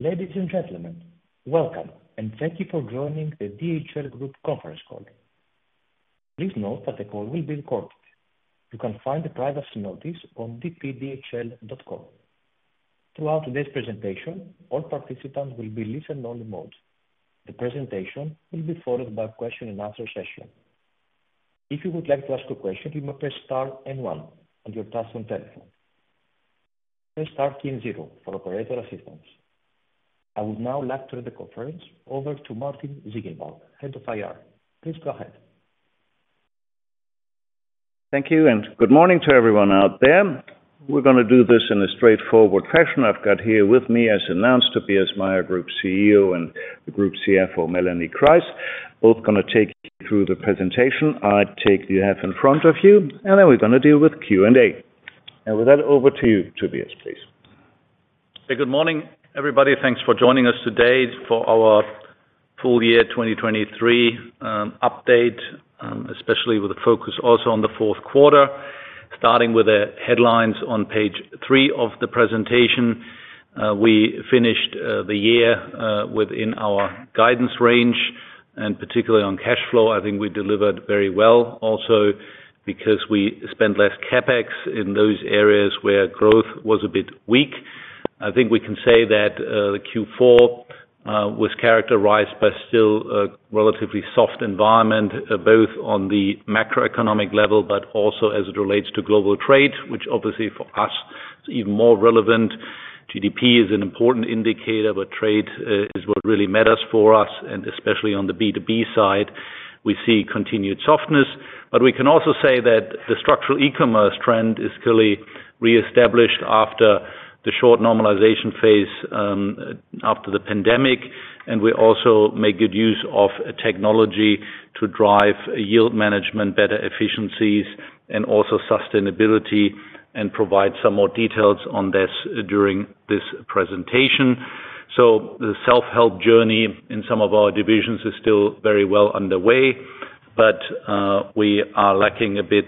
Ladies and gentlemen, welcome, and thank you for joining the DHL Group conference call. Please note that the call will be recorded. You can find a privacy notice on dpdhl.com. Throughout today's presentation, all participants will be in listen-only mode. The presentation will be followed by a question-and-answer session. If you would like to ask a question, you may press star one on your touch-tone telephone. Press star zero for operator assistance. I would now like to turn the conference over to Martin Ziegenbalg, head of IR. Please go ahead. Thank you, and good morning to everyone out there. We're going to do this in a straightforward fashion. I've got here with me, as announced, Tobias Meyer, Group CEO, and the Group CFO, Melanie Kreis. Both going to take you through the presentation. I'll take the floor in front of you, and then we're going to deal with Q&A. With that, over to you, Tobias, please. Hey, good morning, everybody. Thanks for joining us today for our full year 2023 update, especially with a focus also on the Q4. Starting with the headlines on page three of the presentation, we finished the year within our guidance range, and particularly on cash flow, I think we delivered very well also because we spent less CapEx in those areas where growth was a bit weak. I think we can say that Q4 was characterized by still a relatively soft environment, both on the macroeconomic level but also as it relates to global trade, which obviously for us is even more relevant. GDP is an important indicator, but trade is what really matters for us. Especially on the B2B side, we see continued softness. We can also say that the structural e-commerce trend is clearly reestablished after the short normalization phase after the pandemic. We also make good use of technology to drive yield management, better efficiencies, and also sustainability, and provide some more details on this during this presentation. The self-help journey in some of our divisions is still very well underway, but we are lacking a bit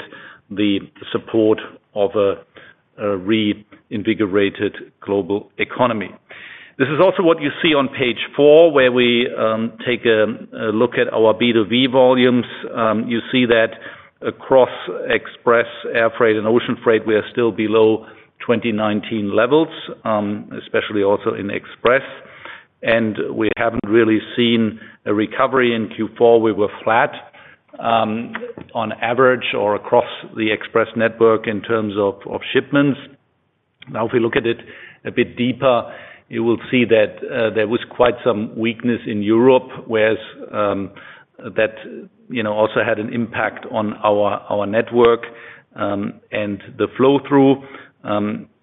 the support of a reinvigorated global economy. This is also what you see on page 4, where we take a look at our B2B volumes. You see that across express, air freight, and ocean freight, we are still below 2019 levels, especially also in express. We haven't really seen a recovery in Q4. We were flat on average or across the express network in terms of shipments. Now, if we look at it a bit deeper, you will see that there was quite some weakness in Europe, whereas that also had an impact on our network and the flow-through.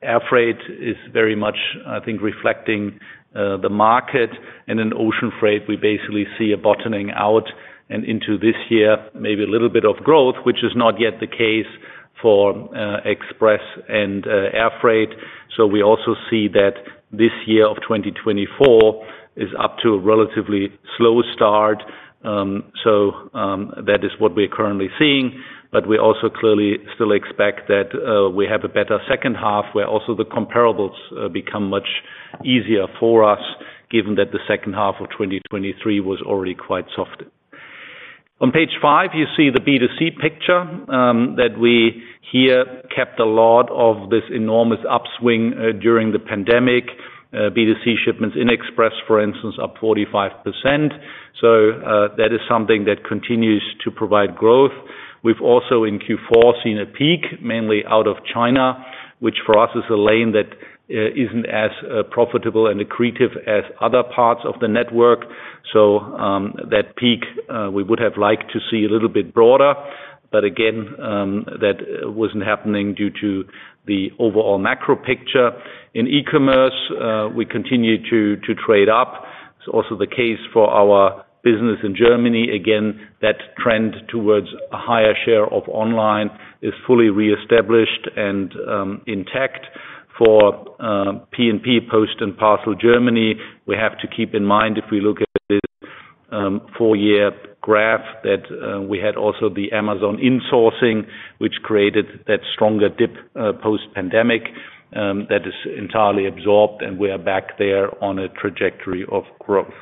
Air freight is very much, I think, reflecting the market. In ocean freight, we basically see a bottoming out. Into this year, maybe a little bit of growth, which is not yet the case for express and air freight. We also see that this year of 2024 is up to a relatively slow start. That is what we are currently seeing. But we also clearly still expect that we have a better second half where also the comparables become much easier for us, given that the second half of 2023 was already quite soft. On page five, you see the B2C picture that we have kept a lot of this enormous upswing during the pandemic. B2C shipments in express, for instance, up 45%. That is something that continues to provide growth. We've also in Q4 seen a peak, mainly out of China, which for us is a lane that isn't as profitable and accretive as other parts of the network. So that peak, we would have liked to see a little bit broader. But again, that wasn't happening due to the overall macro picture. In e-commerce, we continue to trade up. It's also the case for our business in Germany. Again, that trend towards a higher share of online is fully reestablished and intact. For P&P, Post and Parcel, Germany, we have to keep in mind if we look at this four-year graph that we had also the Amazon insourcing, which created that stronger dip post-pandemic. That is entirely absorbed, and we are back there on a trajectory of growth.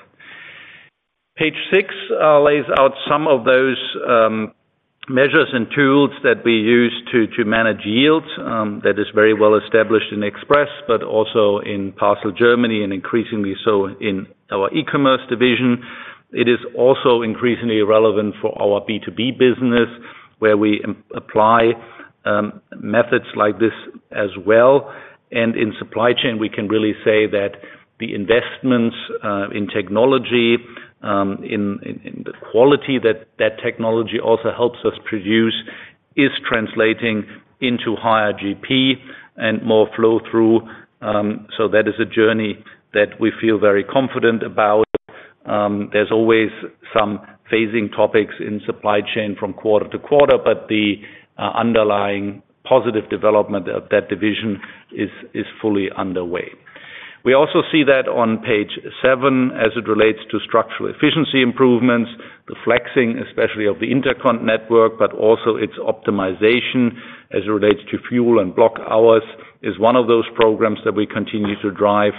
Page six lays out some of those measures and tools that we use to manage yields. That is very well established in Express, but also in Post & Parcel Germany, and increasingly so in our e-commerce division. It is also increasingly relevant for our B2B business, where we apply methods like this as well. And in supply chain, we can really say that the investments in technology, in the quality that technology also helps us produce, is translating into higher GP and more flow-through. So that is a journey that we feel very confident about. There's always some phasing topics in supply chain from quarter to quarter, but the underlying positive development of that division is fully underway. We also see that on page seven as it relates to structural efficiency improvements, the flexing, especially of the intercon network, but also its optimization as it relates to fuel and block hours is one of those programs that we continue to drive.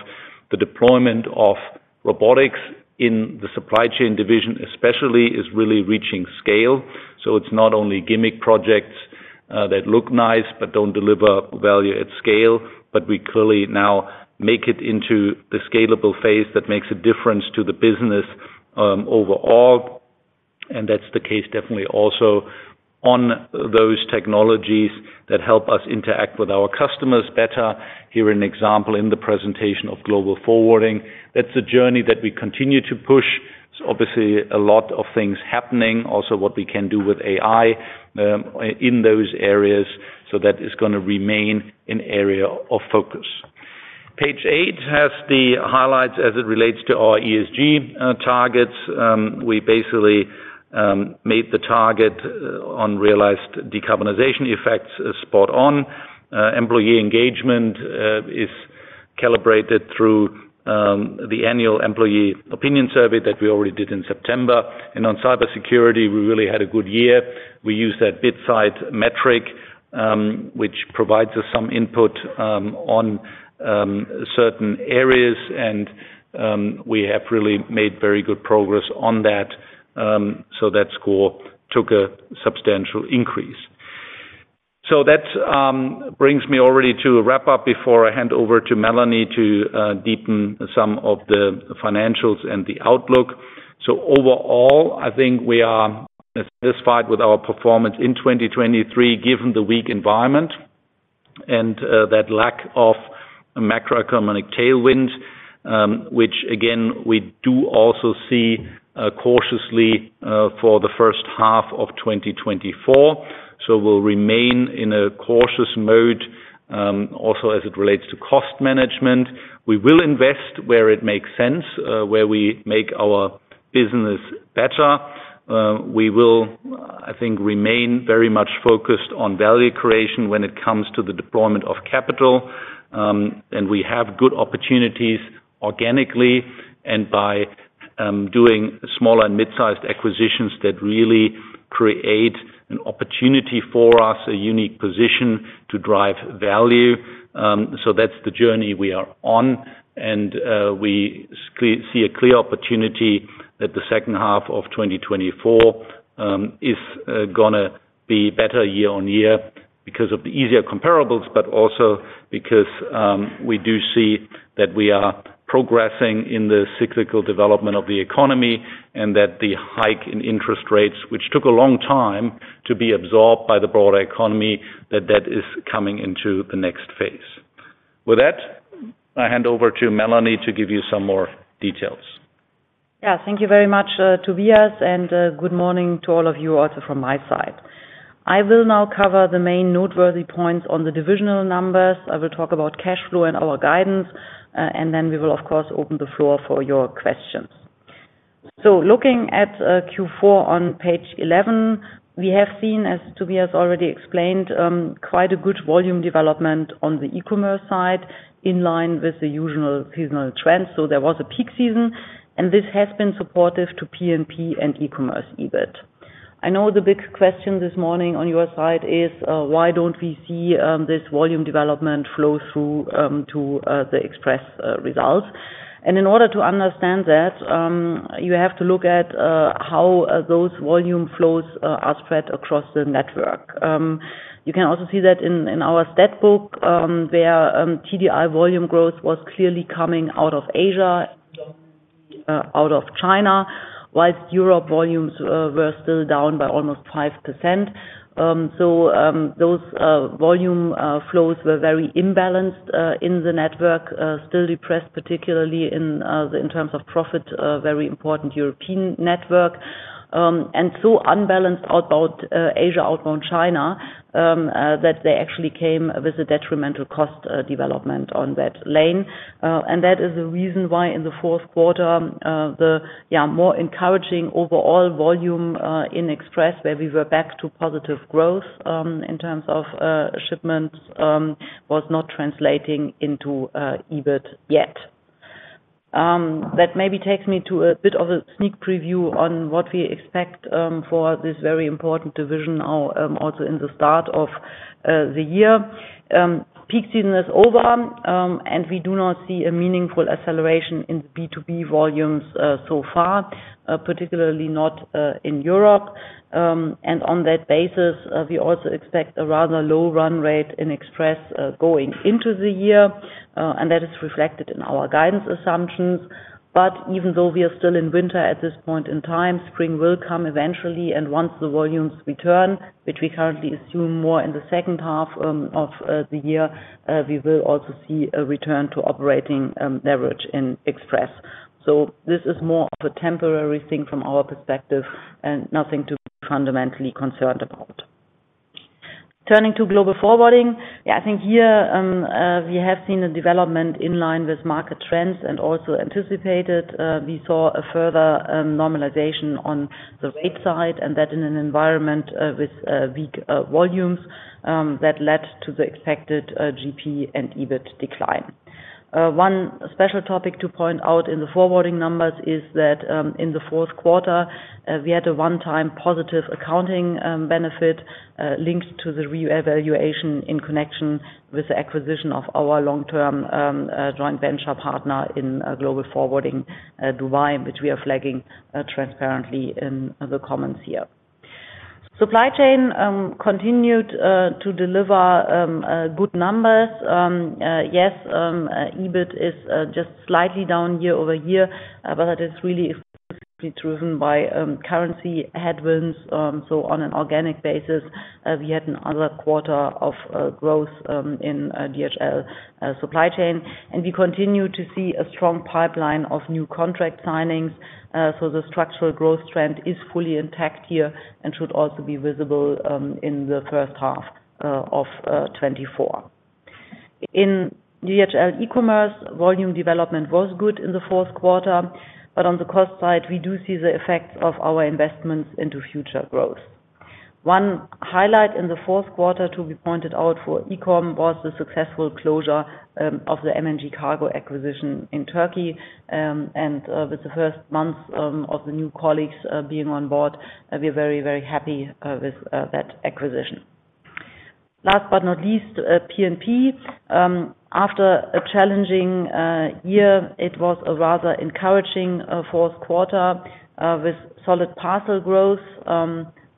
The deployment of robotics in the supply chain division, especially, is really reaching scale. So it's not only gimmick projects that look nice but don't deliver value at scale, but we clearly now make it into the scalable phase that makes a difference to the business overall. And that's the case definitely also on those technologies that help us interact with our customers better. Here's an example in the presentation of Global Forwarding. That's a journey that we continue to push. Obviously, a lot of things happening, also what we can do with AI in those areas. So that is going to remain an area of focus. Page 8 has the highlights as it relates to our ESG targets. We basically made the target on realized decarbonization effects spot on. Employee engagement is calibrated through the annual Employee Opinion Survey that we already did in September. On cybersecurity, we really had a good year. We used that BitSight metric, which provides us some input on certain areas. We have really made very good progress on that. That score took a substantial increase. That brings me already to a wrap-up before I hand over to Melanie to deepen some of the financials and the outlook. Overall, I think we are satisfied with our performance in 2023 given the weak environment and that lack of macroeconomic tailwind, which again, we do also see cautiously for the first half of 2024. We'll remain in a cautious mode also as it relates to cost management. We will invest where it makes sense, where we make our business better. We will, I think, remain very much focused on value creation when it comes to the deployment of capital. And we have good opportunities organically and by doing smaller and midsized acquisitions that really create an opportunity for us, a unique position to drive value. So that's the journey we are on. And we see a clear opportunity that the second half of 2024 is going to be better year-on-year because of the easier comparables, but also because we do see that we are progressing in the cyclical development of the economy and that the hike in interest rates, which took a long time to be absorbed by the broader economy, that that is coming into the next phase. With that, I hand over to Melanie to give you some more details. Yeah. Thank you very much, Tobias, and good morning to all of you also from my side. I will now cover the main noteworthy points on the divisional numbers. I will talk about cash flow and our guidance. Then we will, of course, open the floor for your questions. So looking at Q4 on page 11, we have seen, as Tobias already explained, quite a good volume development on the e-commerce side in line with the usual seasonal trends. So there was a peak season, and this has been supportive to P&P and e-commerce EBIT. I know the big question this morning on your side is, why don't we see this volume development flow through to the express results? And in order to understand that, you have to look at how those volume flows are spread across the network. You can also see that in our Statbook where TDI volume growth was clearly coming out of Asia, obviously out of China, while Europe volumes were still down by almost 5%. So those volume flows were very imbalanced in the network, still depressed particularly in terms of profit, very important European network, and so unbalanced outbound Asia, outbound China that they actually came with a detrimental cost development on that lane. And that is the reason why in the Q4, the more encouraging overall volume in Express, where we were back to positive growth in terms of shipments, was not translating into EBIT yet. That maybe takes me to a bit of a sneak preview on what we expect for this very important division now also in the start of the year. Peak season is over, and we do not see a meaningful acceleration in the B2B volumes so far, particularly not in Europe. On that basis, we also expect a rather low run rate in express going into the year. That is reflected in our guidance assumptions. But even though we are still in winter at this point in time, spring will come eventually. Once the volumes return, which we currently assume more in the second half of the year, we will also see a return to operating leverage in express. This is more of a temporary thing from our perspective and nothing to be fundamentally concerned about. Turning to global forwarding, yeah, I think here we have seen a development in line with market trends and also anticipated. We saw a further normalization on the rate side and that in an environment with weak volumes that led to the expected GP and EBIT decline. One special topic to point out in the forwarding numbers is that in the Q4, we had a one-time positive accounting benefit linked to the reevaluation in connection with the acquisition of our long-term joint venture partner in global forwarding, Dubai, which we are flagging transparently in the comments here. Supply Chain continued to deliver good numbers. Yes, EBIT is just slightly down year-over-year, but that is really exclusively driven by currency headwinds. So on an organic basis, we had another quarter of growth in DHL Supply Chain. And we continue to see a strong pipeline of new contract signings. So the structural growth trend is fully intact here and should also be visible in the first half of 2024. In DHL eCommerce, volume development was good in the Q4. But on the cost side, we do see the effects of our investments into future growth. One highlight in the Q4 to be pointed out for e-com was the successful closure of the MNG Kargo acquisition in Turkey. And with the first months of the new colleagues being on board, we are very, very happy with that acquisition. Last but not least, P&P. After a challenging year, it was a rather encouraging Q4 with solid parcel growth.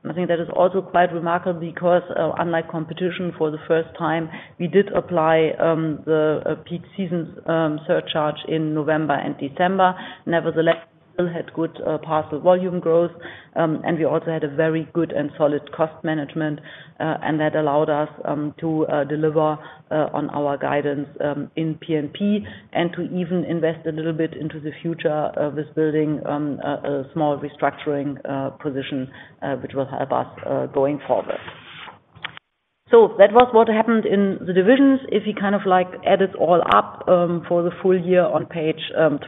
I think that is also quite remarkable because, unlike competition, for the first time, we did apply the peak season surcharge in November and December. Nevertheless, we still had good parcel volume growth. And we also had a very good and solid cost management. That allowed us to deliver on our guidance in P&P and to even invest a little bit into the future with building a small restructuring position, which will help us going forward. That was what happened in the divisions. If we kind of add it all up for the full year on page 12,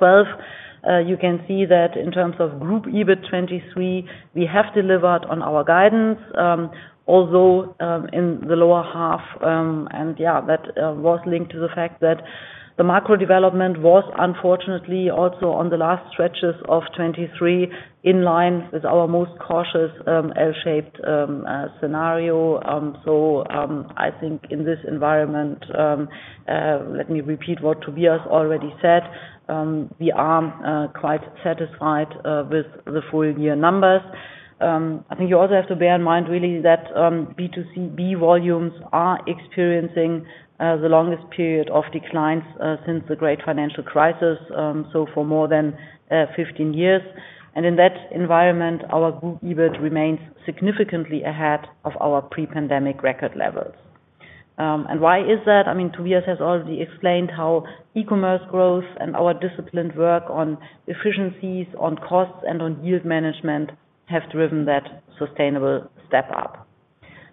you can see that in terms of group EBIT 2023, we have delivered on our guidance, although in the lower half, and yeah, that was linked to the fact that the macro development was unfortunately also on the last stretches of 2023 in line with our most cautious L-shaped scenario. I think in this environment, let me repeat what Tobias already said. We are quite satisfied with the full year numbers. I think you also have to bear in mind, really, that B2C and B2B volumes are experiencing the longest period of declines since the Great Financial Crisis, so for more than 15 years. In that environment, our group EBIT remains significantly ahead of our pre-pandemic record levels. Why is that? I mean, Tobias has already explained how e-commerce growth and our disciplined work on efficiencies, on costs, and on yield management have driven that sustainable step up.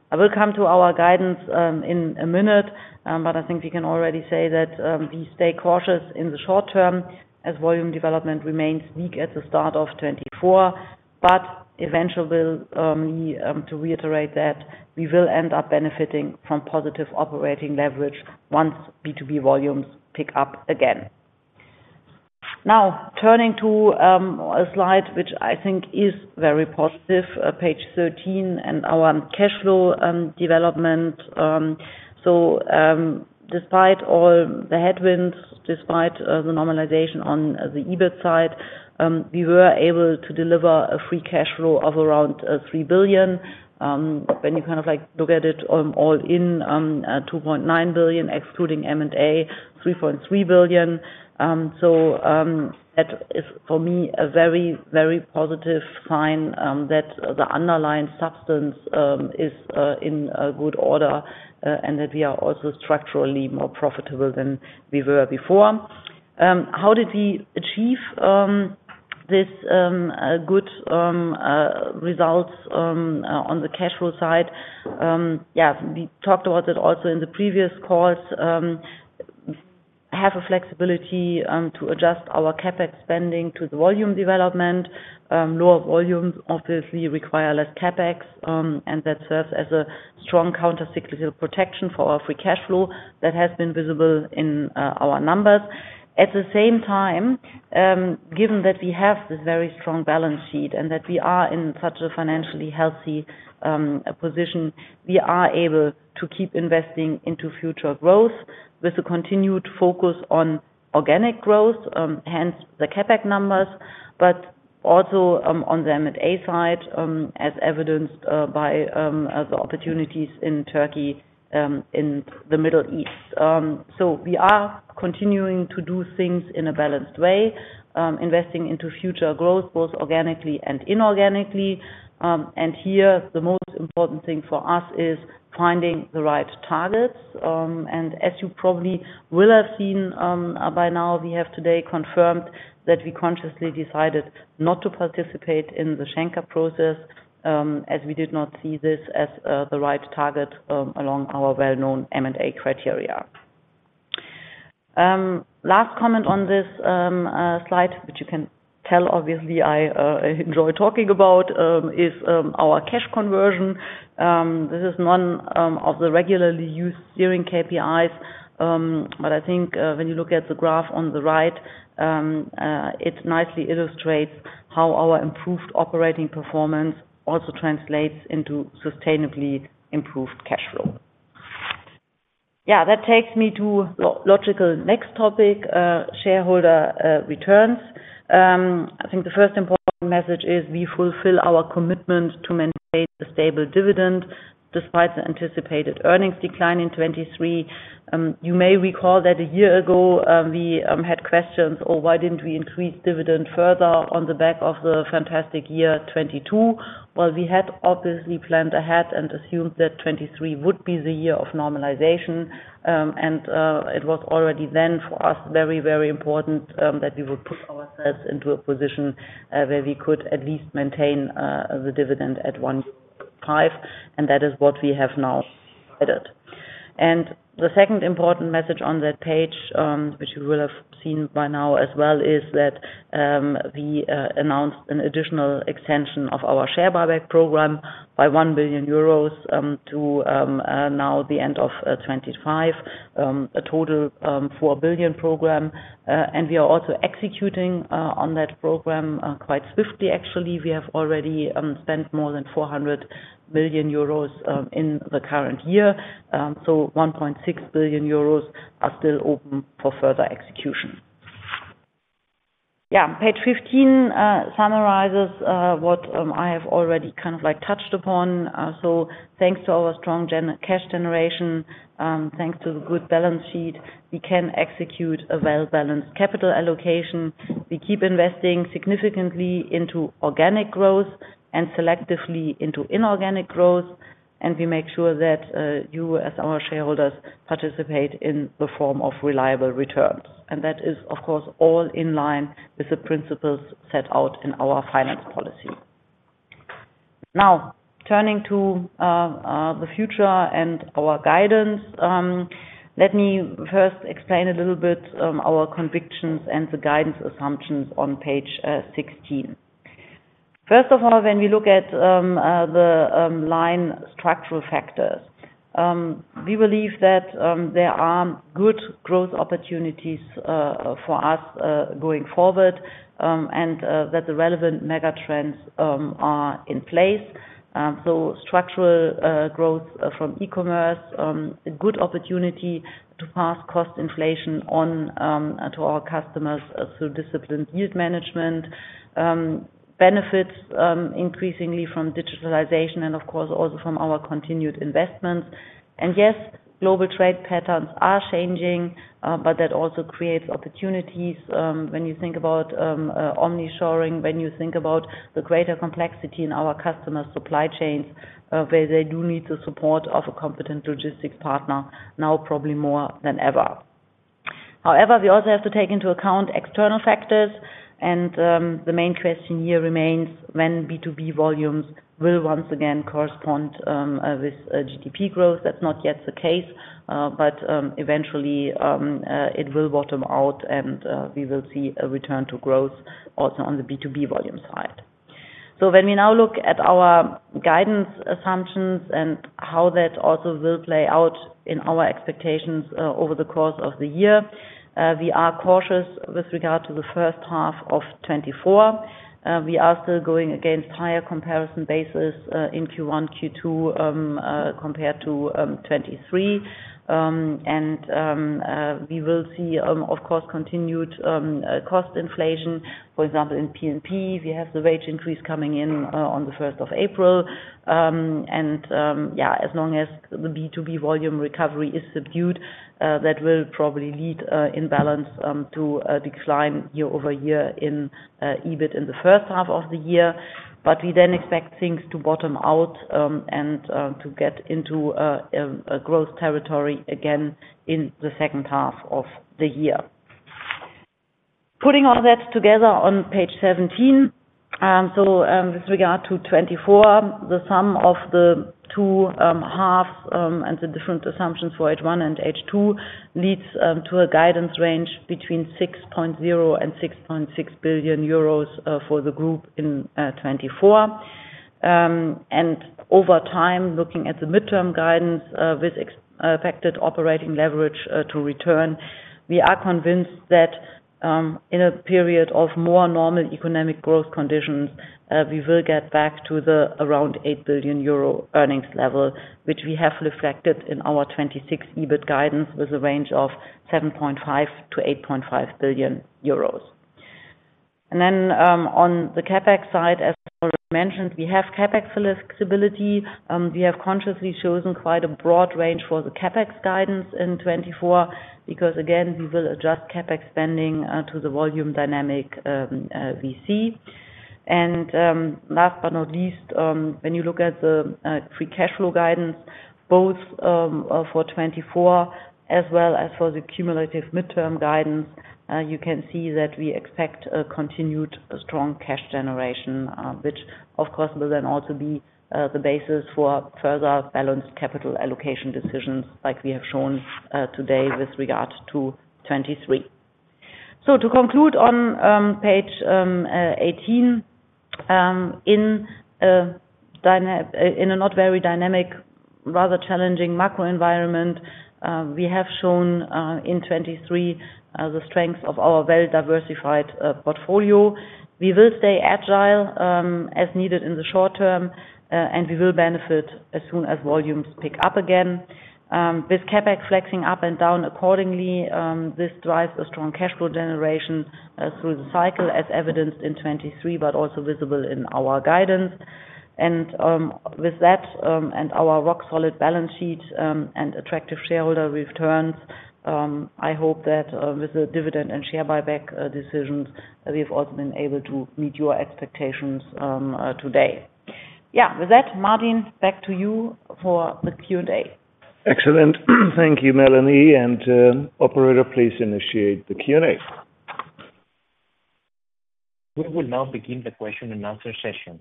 I will come to our guidance in a minute, but I think we can already say that we stay cautious in the short term as volume development remains weak at the start of 2024. Eventually, to reiterate that, we will end up benefiting from positive operating leverage once B2B volumes pick up again. Now, turning to a slide which I think is very positive, page 13 and our cash flow development. So despite all the headwinds, despite the normalization on the EBIT side, we were able to deliver a free cash flow of around 3 billion. When you kind of look at it all in, 2.9 billion excluding M&A, 3.3 billion. So that is, for me, a very, very positive sign that the underlying substance is in good order and that we are also structurally more profitable than we were before. How did we achieve these good results on the cash flow side? Yeah, we talked about it also in the previous calls. We have a flexibility to adjust our CapEx spending to the volume development. Lower volumes, obviously, require less CapEx, and that serves as a strong countercyclical protection for our free cash flow that has been visible in our numbers. At the same time, given that we have this very strong balance sheet and that we are in such a financially healthy position, we are able to keep investing into future growth with a continued focus on organic growth, hence the CapEx numbers, but also on the M&A side, as evidenced by the opportunities in Turkey in the Middle East. We are continuing to do things in a balanced way, investing into future growth both organically and inorganically. Here, the most important thing for us is finding the right targets. As you probably will have seen by now, we have today confirmed that we consciously decided not to participate in the Schenker process as we did not see this as the right target along our well-known M&A criteria. Last comment on this slide, which you can tell, obviously, I enjoy talking about, is our cash conversion. This is none of the regularly used steering KPIs. But I think when you look at the graph on the right, it nicely illustrates how our improved operating performance also translates into sustainably improved cash flow. Yeah, that takes me to the logical next topic, shareholder returns. I think the first important message is we fulfill our commitment to maintain a stable dividend despite the anticipated earnings decline in 2023. You may recall that a year ago, we had questions, "Oh, why didn't we increase dividend further on the back of the fantastic year 2022?" Well, we had obviously planned ahead and assumed that 2023 would be the year of normalization. And it was already then for us very, very important that we would put ourselves into a position where we could at least maintain the dividend at 1.5. And that is what we have now added. The second important message on that page, which you will have seen by now as well, is that we announced an additional extension of our share buyback program by 1 billion euros to now the end of 2025, a total 4 billion program. We are also executing on that program quite swiftly, actually. We have already spent more than 400 million euros in the current year. 1.6 billion euros are still open for further execution. Yeah, page 15 summarizes what I have already kind of touched upon. Thanks to our strong cash generation, thanks to the good balance sheet, we can execute a well-balanced capital allocation. We keep investing significantly into organic growth and selectively into inorganic growth. We make sure that you, as our shareholders, participate in the form of reliable returns. And that is, of course, all in line with the principles set out in our Finance Policy. Now, turning to the future and our guidance, let me first explain a little bit our convictions and the guidance assumptions on page 16. First of all, when we look at the line structural factors, we believe that there are good growth opportunities for us going forward and that the relevant megatrends are in place. So structural growth from e-commerce, a good opportunity to pass cost inflation on to our customers through disciplined yield management, benefits increasingly from digitalization and, of course, also from our continued investments. And yes, global trade patterns are changing, but that also creates opportunities when you think about omni-shoring, when you think about the greater complexity in our customers' supply chains where they do need the support of a competent logistics partner, now probably more than ever. However, we also have to take into account external factors. The main question here remains, when B2B volumes will once again correspond with GDP growth? That's not yet the case. Eventually, it will bottom out, and we will see a return to growth also on the B2B volume side. When we now look at our guidance assumptions and how that also will play out in our expectations over the course of the year, we are cautious with regard to the first half of 2024. We are still going against higher comparison basis in Q1, Q2 compared to 2023. We will see, of course, continued cost inflation. For example, in P&P, we have the wage increase coming in on the 1st of April. Yeah, as long as the B2B volume recovery is subdued, that will probably lead in balance to a decline year-over-year in EBIT in the first half of the year. But we then expect things to bottom out and to get into growth territory again in the second half of the year. Putting all that together on page 17, so with regard to 2024, the sum of the two halves and the different assumptions for H1 and H2 leads to a guidance range between 6.0 billion and 6.6 billion euros for the group in 2024. Over time, looking at the midterm guidance with expected operating leverage to return, we are convinced that in a period of more normal economic growth conditions, we will get back to the 8 billion euro earnings level, which we have reflected in our 2026 EBIT guidance with a range of 7.5 billion-8.5 billion euros. Then on the CapEx side, as I mentioned, we have CapEx flexibility. We have consciously chosen quite a broad range for the CapEx guidance in 2024 because, again, we will adjust CapEx spending to the volume dynamic we see. And last but not least, when you look at the free cash flow guidance, both for 2024 as well as for the cumulative midterm guidance, you can see that we expect continued strong cash generation, which, of course, will then also be the basis for further balanced capital allocation decisions like we have shown today with regard to 2023. So to conclude on page 18, in a not very dynamic, rather challenging macro environment, we have shown in 2023 the strengths of our well-diversified portfolio. We will stay agile as needed in the short term, and we will benefit as soon as volumes pick up again. With CapEx flexing up and down accordingly, this drives a strong cash flow generation through the cycle, as evidenced in 2023 but also visible in our guidance. And with that and our rock-solid balance sheet and attractive shareholder returns, I hope that with the dividend and share buyback decisions, we have also been able to meet your expectations today. Yeah, with that, Martin, back to you for the Q&A. Excellent. Thank you, Melanie. And operator, please initiate the Q&A. We will now begin the question-and-answer session.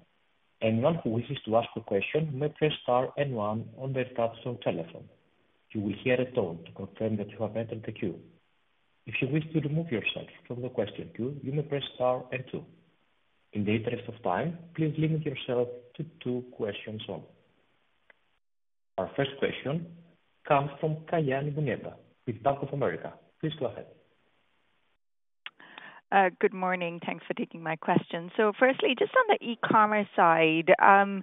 Anyone who wishes to ask a question may press star and one on their tabs or telephone. You will hear a tone to confirm that you have entered the queue. If you wish to remove yourself from the question queue, you may press star and two. In the interest of time, please limit yourself to two questions only. Our first question comes from Muneeba Kayani with Bank of America. Please go ahead. Good morning. Thanks for taking my question. So firstly, just on the e-commerce side and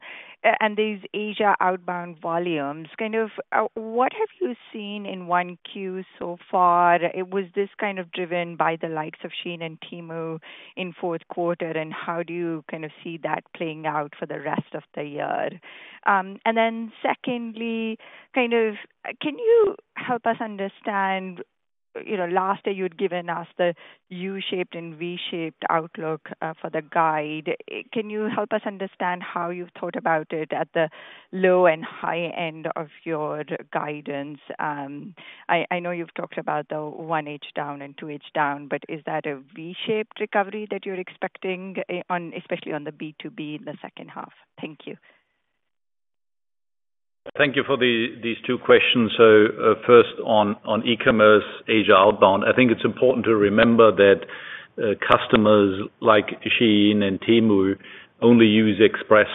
these Asia outbound volumes, kind of what have you seen in Q1 so far? Was this kind of driven by the likes of SHEIN and Temu in Q4, and how do you kind of see that playing out for the rest of the year? And then secondly, kind of can you help us understand last year, you had given us the U-shaped and V-shaped outlook for the guidance. Can you help us understand how you've thought about it at the low and high end of your guidance? I know you've talked about the 1H down and 2H down, but is that a V-shaped recovery that you're expecting, especially on the B2B in the second half? Thank you. Thank you for these two questions. So first, on e-commerce, Asia outbound, I think it's important to remember that customers like SHEIN and Temu only use Express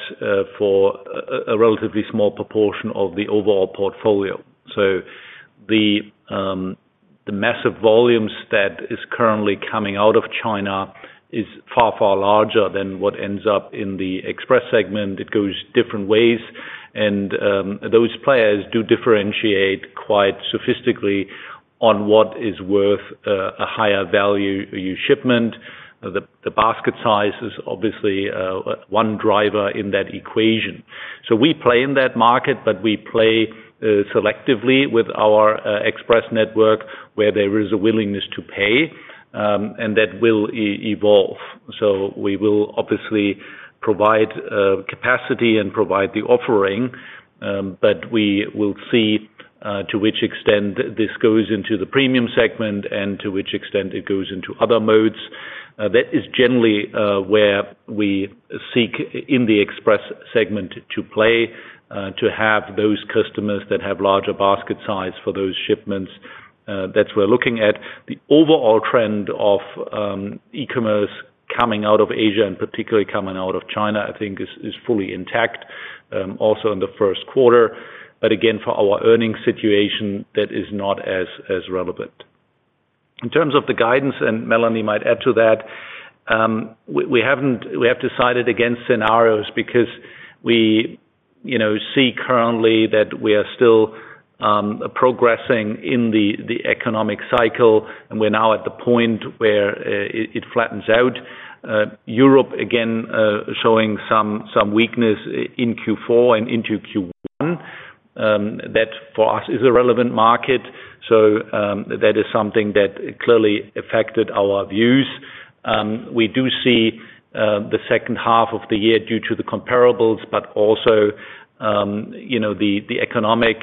for a relatively small proportion of the overall portfolio. So the massive volumes that are currently coming out of China are far, far larger than what ends up in the Express segment. It goes different ways. And those players do differentiate quite sophisticatedly on what is worth a higher value shipment. The basket size is obviously one driver in that equation. So we play in that market, but we play selectively with our Express network where there is a willingness to pay, and that will evolve. So we will obviously provide capacity and provide the offering, but we will see to which extent this goes into the premium segment and to which extent it goes into other modes. That is generally where we seek in the Express segment to play, to have those customers that have larger basket size for those shipments. That's what we're looking at. The overall trend of e-commerce coming out of Asia and particularly coming out of China, I think, is fully intact also in the Q1. But again, for our earnings situation, that is not as relevant. In terms of the guidance, and Melanie might add to that, we have decided against scenarios because we see currently that we are still progressing in the economic cycle, and we're now at the point where it flattens out. Europe, again, showing some weakness in Q4 and into Q1. That, for us, is a relevant market. So that is something that clearly affected our views. We do see the second half of the year due to the comparables, but also the economic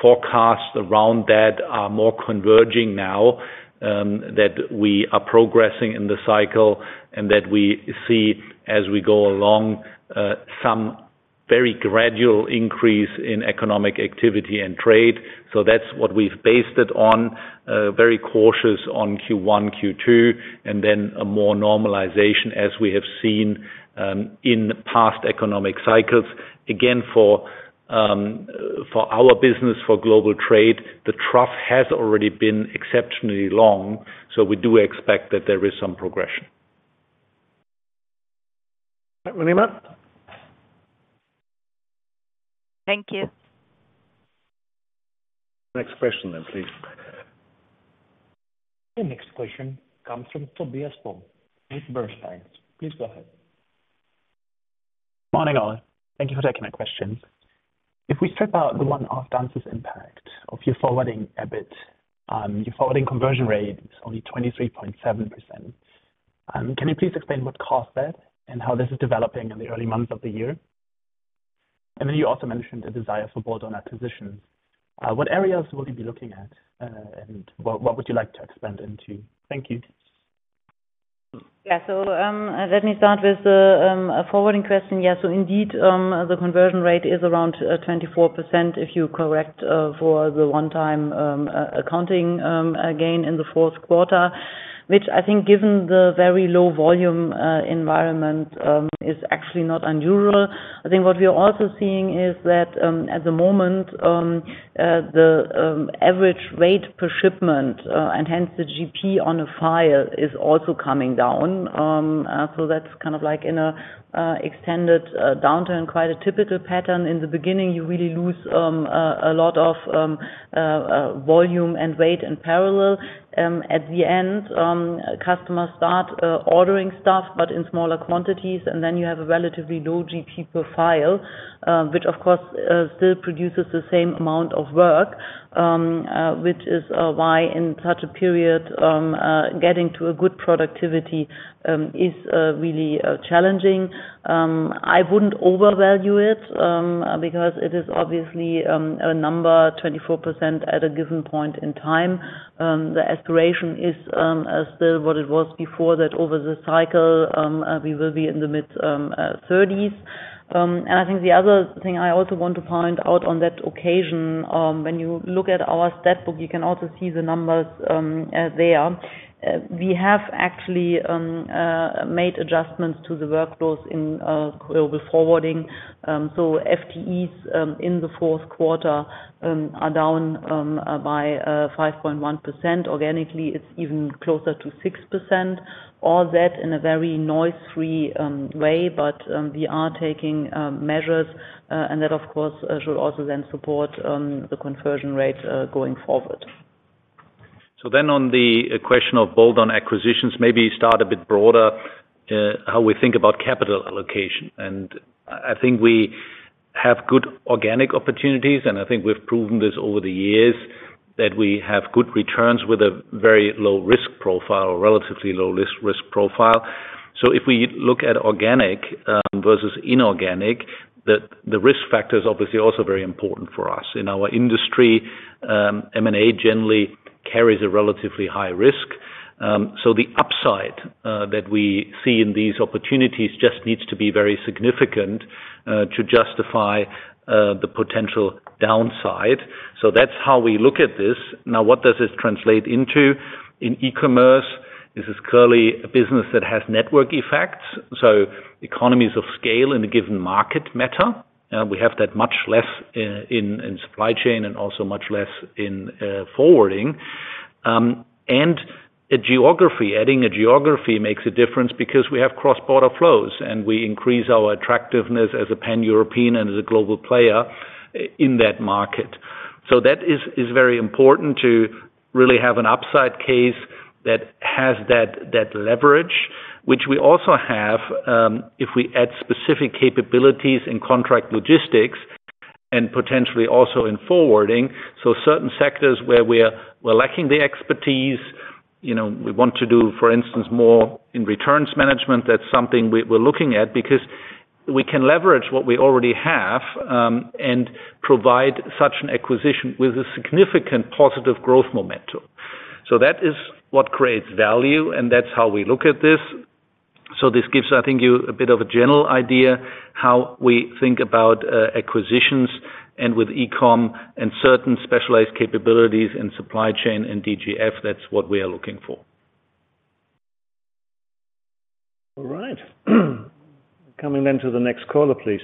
forecasts around that are more converging now, that we are progressing in the cycle, and that we see, as we go along, some very gradual increase in economic activity and trade. So that's what we've based it on, very cautious on Q1, Q2, and then a more normalization as we have seen in past economic cycles. Again, for our business, for global trade, the trough has already been exceptionally long. So we do expect that there is some progression. All right, Muneeba. Thank you. Next question then, please. The next question comes from Tobias Fromme with Bernstein. Please go ahead. Morning, Ollie. Thank you for taking my questions. If we strip out the one-off DGF's impact of your forwarding EBIT, your forwarding conversion rate is only 23.7%. Can you please explain what caused that and how this is developing in the early months of the year? And then you also mentioned a desire for bolt-on acquisitions. What areas will you be looking at, and what would you like to expand into? Thank you. Yeah. So let me start with the forwarding question. Yeah. So indeed, the conversion rate is around 24%, if you correct for the one-time accounting gain in the Q4, which I think, given the very low volume environment, is actually not unusual. I think what we are also seeing is that, at the moment, the average rate per shipment, and hence the GP on a file, is also coming down. So that's kind of like in an extended downturn, quite a typical pattern. In the beginning, you really lose a lot of volume and weight in parallel. At the end, customers start ordering stuff but in smaller quantities, and then you have a relatively low GP per file, which, of course, still produces the same amount of work, which is why, in such a period, getting to a good productivity is really challenging. I wouldn't overvalue it because it is obviously a number, 24%, at a given point in time. The aspiration is still what it was before that, over the cycle, we will be in the mid-30s. And I think the other thing I also want to point out on that occasion, when you look at our staff book, you can also see the numbers there. We have actually made adjustments to the workloads in global forwarding. So FTEs in the Q4 are down by 5.1%. Organically, it's even closer to 6%, all that in a very noise-free way. But we are taking measures, and that, of course, should also then support the conversion rate going forward. So then on the question of bolt-on acquisitions, maybe start a bit broader, how we think about capital allocation. And I think we have good organic opportunities, and I think we've proven this over the years, that we have good returns with a very low risk profile or relatively low risk profile. So if we look at organic versus inorganic, the risk factor is obviously also very important for us. In our industry, M&A generally carries a relatively high risk. So the upside that we see in these opportunities just needs to be very significant to justify the potential downside. So that's how we look at this. Now, what does this translate into? In e-commerce, this is clearly a business that has network effects. So economies of scale in a given market matter. We have that much less in supply chain and also much less in forwarding. Adding a geography makes a difference because we have cross-border flows, and we increase our attractiveness as a pan-European and as a global player in that market. That is very important to really have an upside case that has that leverage, which we also have if we add specific capabilities in contract logistics and potentially also in forwarding. Certain sectors where we're lacking the expertise, we want to do, for instance, more in returns management. That's something we're looking at because we can leverage what we already have and provide such an acquisition with a significant positive growth momentum. That is what creates value, and that's how we look at this. So this gives, I think, you a bit of a general idea how we think about acquisitions. And with e-com and certain specialized capabilities in supply chain and DGF, that's what we are looking for. All right. Coming then to the next caller, please.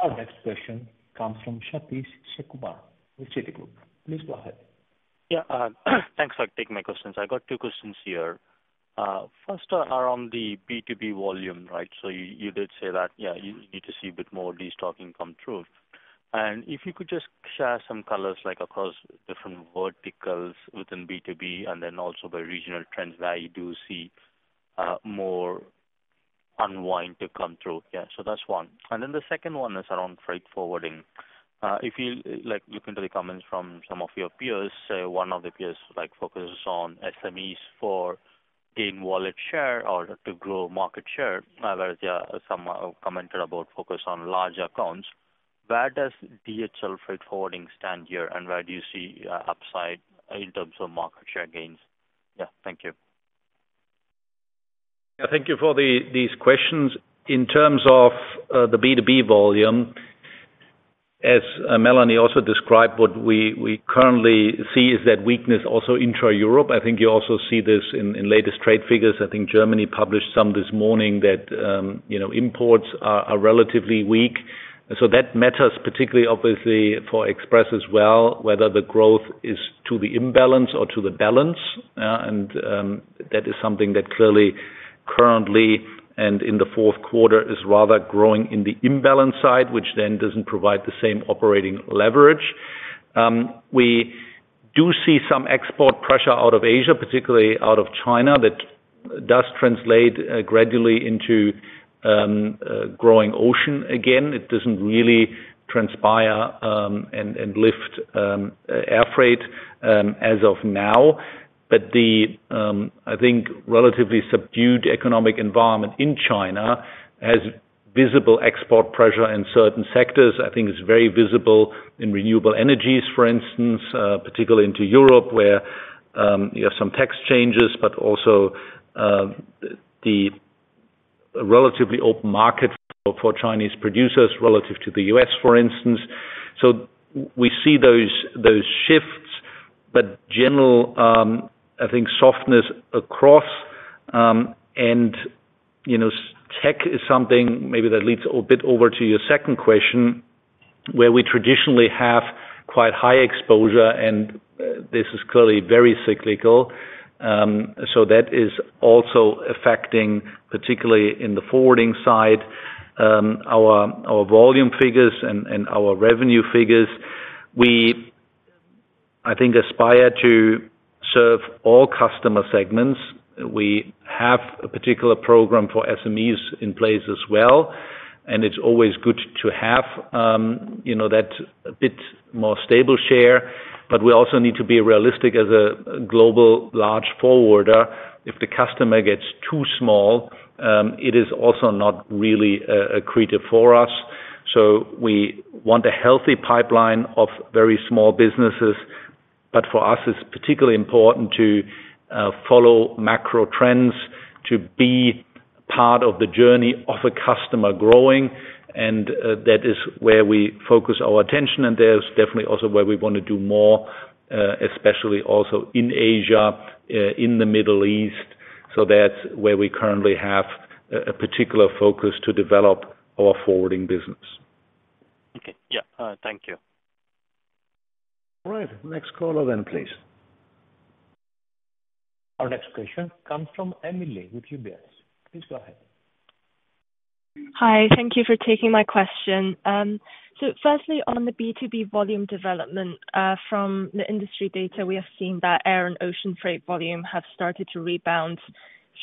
Our next question comes from Sathish Sivakumar with Citigroup. Please go ahead. Yeah. Thanks for taking my questions. I got two questions here. First are on the B2B volume, right? So you did say that, yeah, you need to see a bit more of this talking come through. And if you could just share some colors across different verticals within B2B and then also by regional trends, where you do see more unwind to come through. Yeah. So that's one. And then the second one is around freight forwarding. If you look into the comments from some of your peers, one of the peers focuses on SMEs for gaining wallet share or to grow market share, whereas some commented about focus on large accounts. Where does DHL freight forwarding stand here, and where do you see upside in terms of market share gains? Yeah. Thank you. Yeah. Thank you for these questions. In terms of the B2B volume, as Melanie also described, what we currently see is that weakness also intra-Europe. I think you also see this in latest trade figures. I think Germany published some this morning that imports are relatively weak. So that matters particularly, obviously, for Express as well, whether the growth is to the imbalance or to the balance. That is something that clearly currently and in the Q4 is rather growing in the imbalance side, which then doesn't provide the same operating leverage. We do see some export pressure out of Asia, particularly out of China, that does translate gradually into growing ocean again. It doesn't really transpire and lift air freight as of now. But the, I think, relatively subdued economic environment in China has visible export pressure in certain sectors. I think it's very visible in renewable energies, for instance, particularly into Europe, where you have some tax changes but also the relatively open market for Chinese producers relative to the U.S., for instance. So we see those shifts, but general, I think, softness across. Tech is something maybe that leads a bit over to your second question, where we traditionally have quite high exposure, and this is clearly very cyclical. So that is also affecting, particularly in the forwarding side, our volume figures and our revenue figures. We, I think, aspire to serve all customer segments. We have a particular program for SMEs in place as well, and it's always good to have that bit more stable share. But we also need to be realistic as a global large forwarder. If the customer gets too small, it is also not really accretive for us. So we want a healthy pipeline of very small businesses. But for us, it's particularly important to follow macro trends, to be part of the journey of a customer growing. And that is where we focus our attention. And that's definitely also where we want to do more, especially also in Asia, in the Middle East. So that's where we currently have a particular focus to develop our forwarding business. Okay. Yeah. Thank you. All right. Next caller then, please. Our next question comes from Emily with UBS. Please go ahead. Hi. Thank you for taking my question. So firstly, on the B2B volume development, from the industry data, we have seen that air and ocean freight volume have started to rebound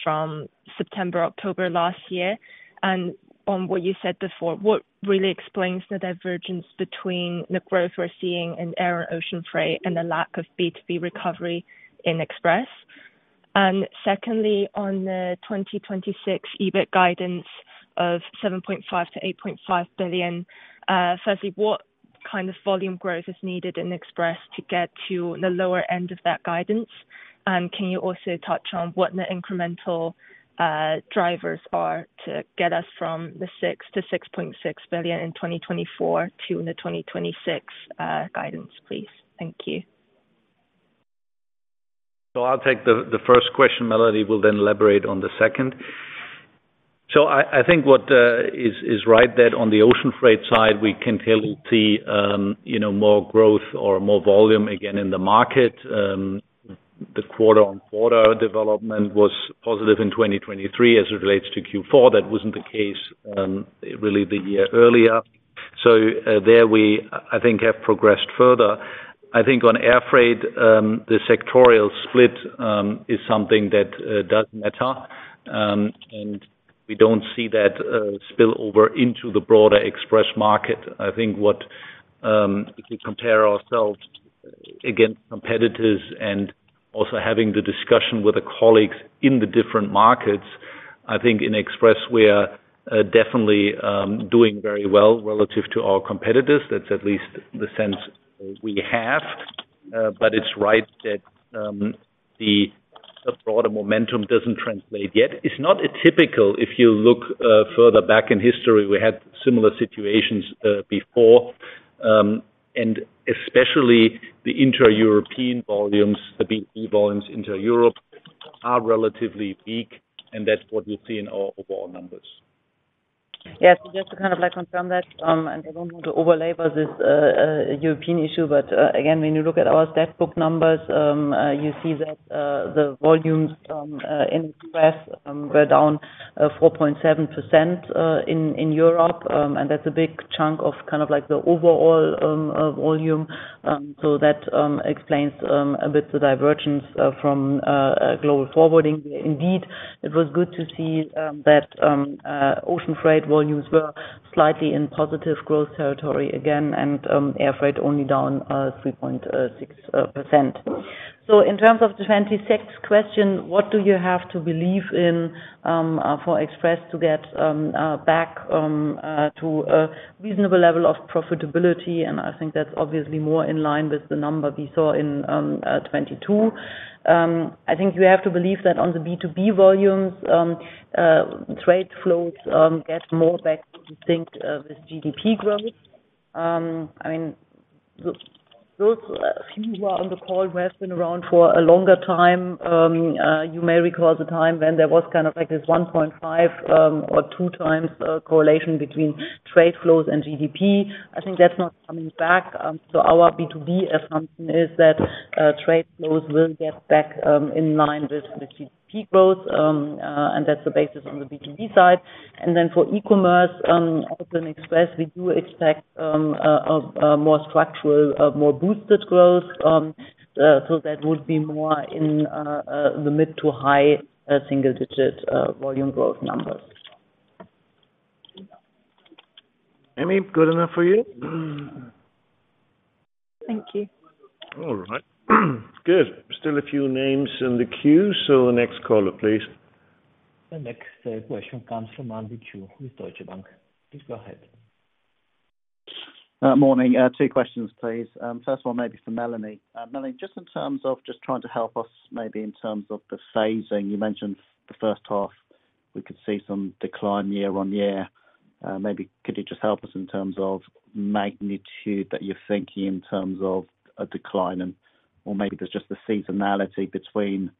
from September, October last year. And on what you said before, what really explains the divergence between the growth we're seeing in air and ocean freight and the lack of B2B recovery in Express? And secondly, on the 2026 EBIT guidance of 7.5 billion-8.5 billion, firstly, what kind of volume growth is needed in Express to get to the lower end of that guidance? And can you also touch on what the incremental drivers are to get us from the 6 billion-6.6 billion in 2024 to the 2026 guidance, please? Thank you. So I'll take the first question. Melanie will then elaborate on the second. So I think what is right, that on the ocean freight side, we can clearly see more growth or more volume again in the market. The quarter-on-quarter development was positive in 2023 as it relates to Q4. That wasn't the case, really, the year earlier. So there, we, I think, have progressed further. I think on air freight, the sectoral split is something that does matter. And we don't see that spill over into the broader Express market. I think if we compare ourselves against competitors and also having the discussion with the colleagues in the different markets, I think in Express, we are definitely doing very well relative to our competitors. That's at least the sense we have. But it's right that the broader momentum doesn't translate yet. It's not atypical. If you look further back in history, we had similar situations before. And especially the intra-European volumes, the B2B volumes intra-Europe, are relatively weak. And that's what you'll see in our overall numbers. Yeah. So just to kind of confirm that, and I don't want to overlabel this European issue, but again, when you look at our stat book numbers, you see that the volumes in Express were down 4.7% in Europe. And that's a big chunk of kind of the overall volume. So that explains a bit the divergence from Global Forwarding. Indeed, it was good to see that ocean freight volumes were slightly in positive growth territory again and air freight only down 3.6%. So in terms of the 26th question, what do you have to believe in for Express to get back to a reasonable level of profitability? I think that's obviously more in line with the number we saw in 2022. I think you have to believe that on the B2B volumes, trade flows get more back, I think, with GDP growth. I mean, those few who are on the call who have been around for a longer time, you may recall the time when there was kind of this 1.5 or 2 times correlation between trade flows and GDP. I think that's not coming back. So our B2B assumption is that trade flows will get back in line with GDP growth. And that's the basis on the B2B side. And then for e-commerce, also in Express, we do expect more structural, more boosted growth. So that would be more in the mid- to high single-digit volume growth numbers. Amy, good enough for you? Thank you. All right. Good. Still a few names in the queue. So the next caller, please. The next question comes from Andy Chu with Deutsche Bank. Please go ahead. Morning. Two questions, please. First one maybe for Melanie. Melanie, just in terms of just trying to help us maybe in terms of the phasing, you mentioned the first half, we could see some decline year-on-year. Maybe could you just help us in terms of magnitude that you're thinking in terms of a decline or maybe there's just the seasonality between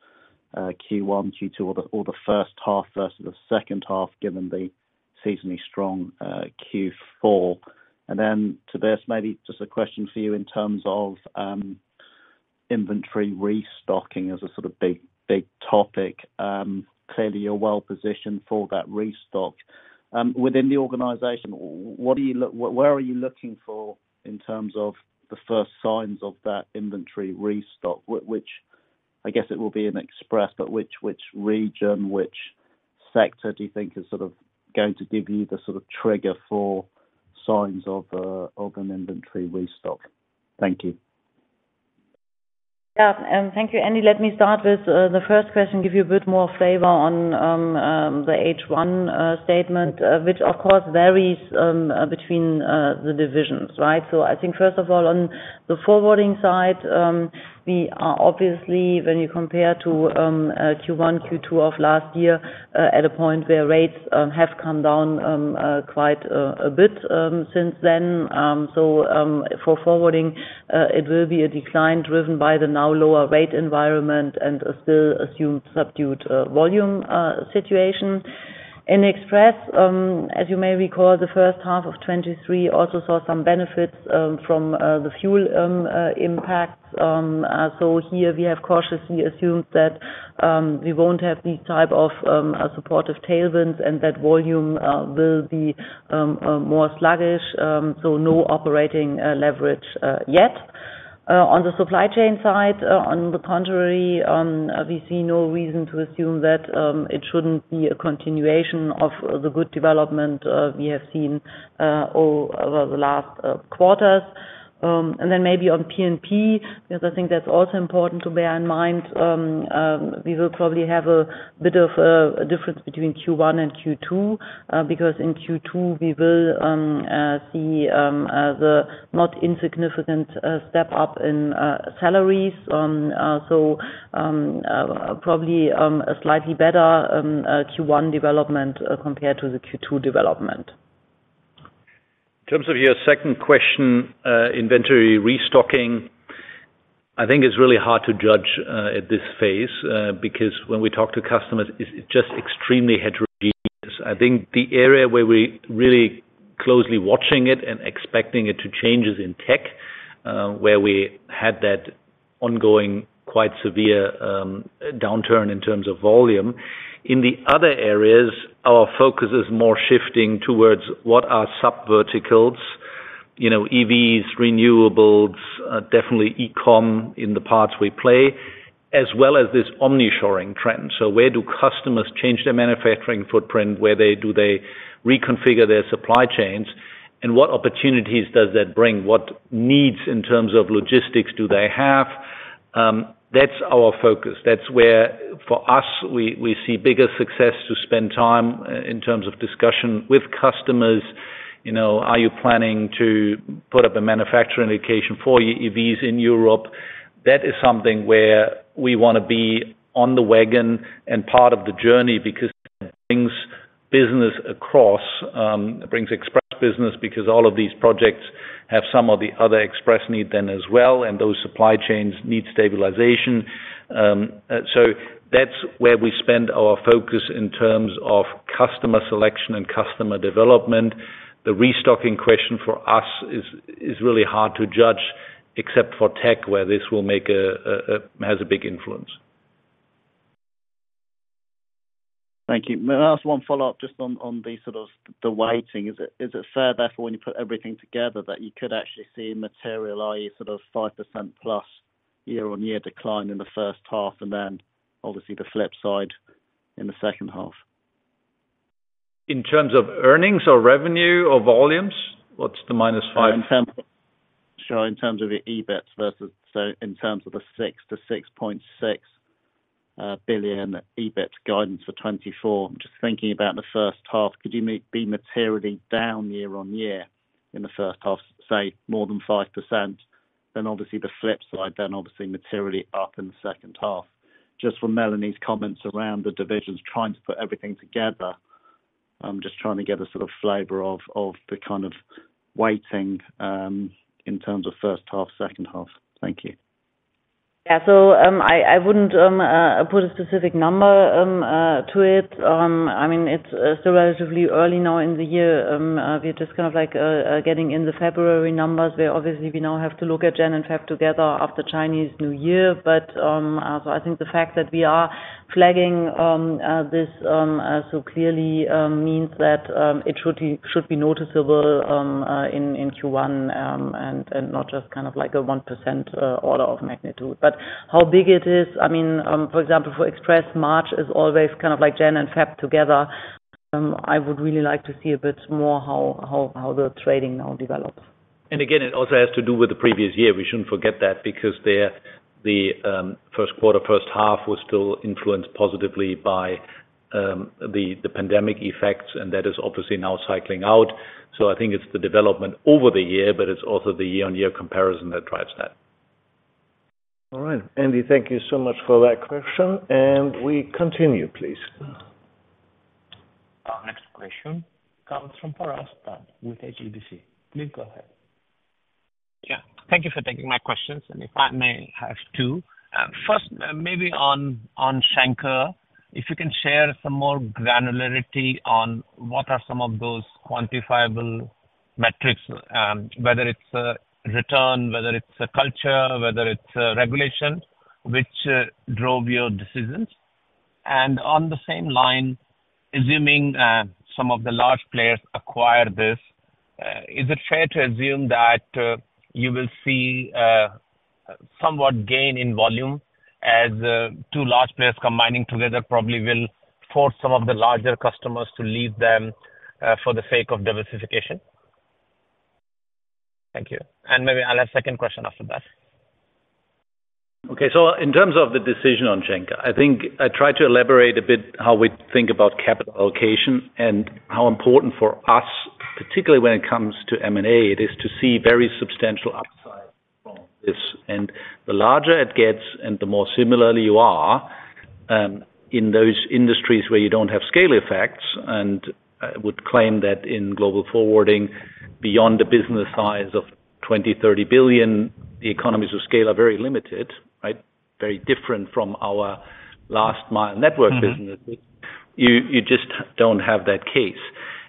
Q1, Q2, or the first half versus the second half given the seasonally strong Q4? And then to this, maybe just a question for you in terms of inventory restocking as a sort of big topic. Clearly, you're well-positioned for that restock. Within the organization, where are you looking for in terms of the first signs of that inventory restock? I guess it will be in Express, but which region, which sector do you think is sort of going to give you the sort of trigger for signs of an inventory restock? Thank you. Yeah. Thank you. Andy, let me start with the first question, give you a bit more flavor on the H1 statement, which, of course, varies between the divisions, right? So I think first of all, on the forwarding side, we are obviously, when you compare to Q1, Q2 of last year, at a point where rates have come down quite a bit since then. So for forwarding, it will be a decline driven by the now lower rate environment and still assumed subdued volume situation. In Express, as you may recall, the first half of 2023 also saw some benefits from the fuel impacts. So here, we have cautiously assumed that we won't have this type of supportive tailwinds and that volume will be more sluggish. So no operating leverage yet. On the supply chain side, on the contrary, we see no reason to assume that it shouldn't be a continuation of the good development we have seen over the last quarters. And then maybe on P&P because I think that's also important to bear in mind, we will probably have a bit of a difference between Q1 and Q2 because in Q2, we will see the not-insignificant step up in salaries. So probably a slightly better Q1 development compared to the Q2 development. In terms of your second question, inventory restocking, I think it's really hard to judge at this phase because when we talk to customers, it's just extremely heterogeneous. I think the area where we're really closely watching it and expecting it to change is in tech, where we had that ongoing quite severe downturn in terms of volume. In the other areas, our focus is more shifting towards what are subverticals, EVs, renewables, definitely e-com in the parts we play, as well as this omnishoring trend. So where do customers change their manufacturing footprint? Do they reconfigure their supply chains? And what opportunities does that bring? What needs in terms of logistics do they have? That's our focus. That's where, for us, we see bigger success to spend time in terms of discussion with customers. Are you planning to put up a manufacturing location for your EVs in Europe? That is something where we want to be on the wagon and part of the journey because it brings business across, brings Express business because all of these projects have some or the other Express need then as well. And those supply chains need stabilization. So that's where we spend our focus in terms of customer selection and customer development. The restocking question for us is really hard to judge except for tech, where this will make a has a big influence. Thank you. Last one follow-up just on the sort of the waiting. Is it fair, therefore, when you put everything together, that you could actually see materialize sort of 5%+ year-on-year decline in the first half and then obviously the flip side in the second half? In terms of earnings or revenue or volumes, what's the minus 5? Sure. In terms of your EBITs versus so in terms of the 6-6.6 billion EBIT guidance for 2024, just thinking about the first half, could you be materially down year-on-year in the first half, say, more than 5%? Then obviously the flip side, then obviously materially up in the second half. Just from Melanie's comments around the divisions, trying to put everything together, just trying to get a sort of flavor of the kind of waiting in terms of first half, second half. Thank you. Yeah. So I wouldn't put a specific number to it. I mean, it's still relatively early now in the year. We're just kind of getting in the February numbers where obviously we now have to look at Jan and Feb together after Chinese New Year. So I think the fact that we are flagging this so clearly means that it should be noticeable in Q1 and not just kind of a 1% order of magnitude. But how big it is, I mean, for example, for Express, March is always kind of Jan and Feb together. I would really like to see a bit more how the trading now develops. And again, it also has to do with the previous year. We shouldn't forget that because the Q1, first half was still influenced positively by the pandemic effects. And that is obviously now cycling out. So I think it's the development over the year, but it's also the year-on-year comparison that drives that. All right. Andy, thank you so much for that question. And we continue, please. Next question comes from Parash Jain with HSBC. Please go ahead. Yeah. Thank you for taking my questions. And if I may have two. First, maybe on Schenker, if you can share some more granularity on what are some of those quantifiable metrics, whether it's return, whether it's culture, whether it's regulation, which drove your decisions? And on the same line, assuming some of the large players acquire this, is it fair to assume that you will see somewhat gain in volume as two large players combining together probably will force some of the larger customers to leave them for the sake of diversification? Thank you. And maybe I'll have a second question after that. Okay. So in terms of the decision on Schenker, I think I tried to elaborate a bit how we think about capital allocation and how important for us, particularly when it comes to M&A, it is to see very substantial upside from this. The larger it gets and the more similarly you are in those industries where you don't have scale effects. I would claim that in global forwarding, beyond the business size of 20-30 billion, the economies of scale are very limited, right, very different from our last-mile network businesses. You just don't have that case.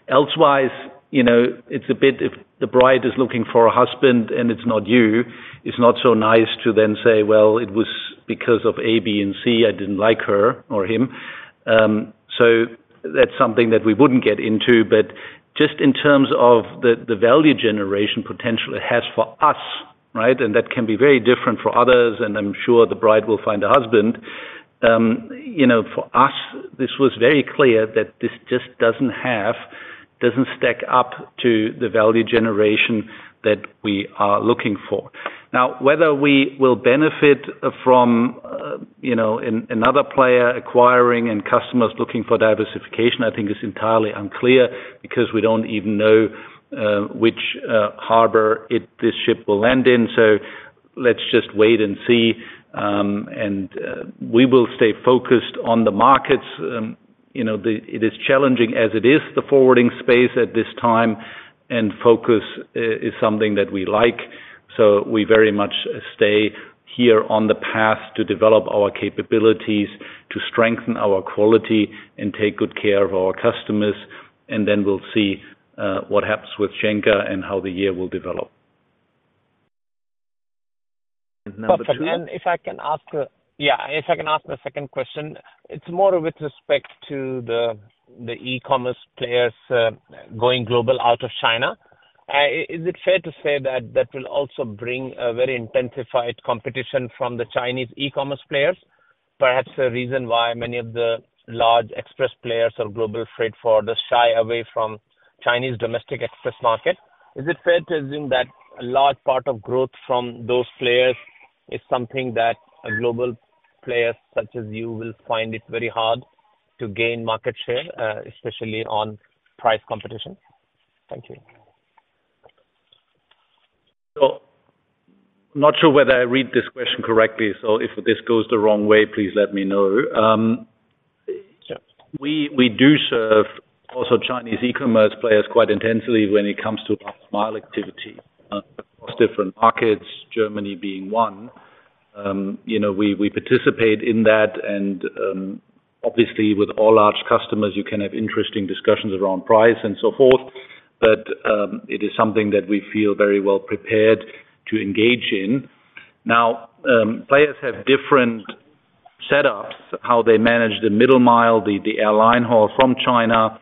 Elsewise, it's a bit if the bride is looking for a husband and it's not you, it's not so nice to then say, "Well, it was because of A, B, and C. I didn't like her or him." So that's something that we wouldn't get into. But just in terms of the value generation potential it has for us, right, and that can be very different for others, and I'm sure the bride will find a husband. For us, this was very clear that this just doesn't stack up to the value generation that we are looking for. Now, whether we will benefit from another player acquiring and customers looking for diversification, I think is entirely unclear because we don't even know which harbor this ship will land in. So let's just wait and see. We will stay focused on the markets. It is challenging as it is, the forwarding space at this time, and focus is something that we like. So we very much stay here on the path to develop our capabilities, to strengthen our quality, and take good care of our customers. Then we'll see what happens with Shenker and how the year will develop. Number two. If I can ask, yeah. If I can ask a second question, it's more with respect to the e-commerce players going global out of China. Is it fair to say that that will also bring a very intensified competition from the Chinese e-commerce players, perhaps the reason why many of the large express players or global freight forwarders shy away from Chinese domestic express market? Is it fair to assume that a large part of growth from those players is something that global players such as you will find it very hard to gain market share, especially on price competition? Thank you. So not sure whether I read this question correctly. So if this goes the wrong way, please let me know. We do serve also Chinese e-commerce players quite intensely when it comes to last-mile activity across different markets, Germany being one. We participate in that. And obviously, with all large customers, you can have interesting discussions around price and so forth. But it is something that we feel very well prepared to engage in. Now, players have different setups, how they manage the middle mile, the airline haul from China.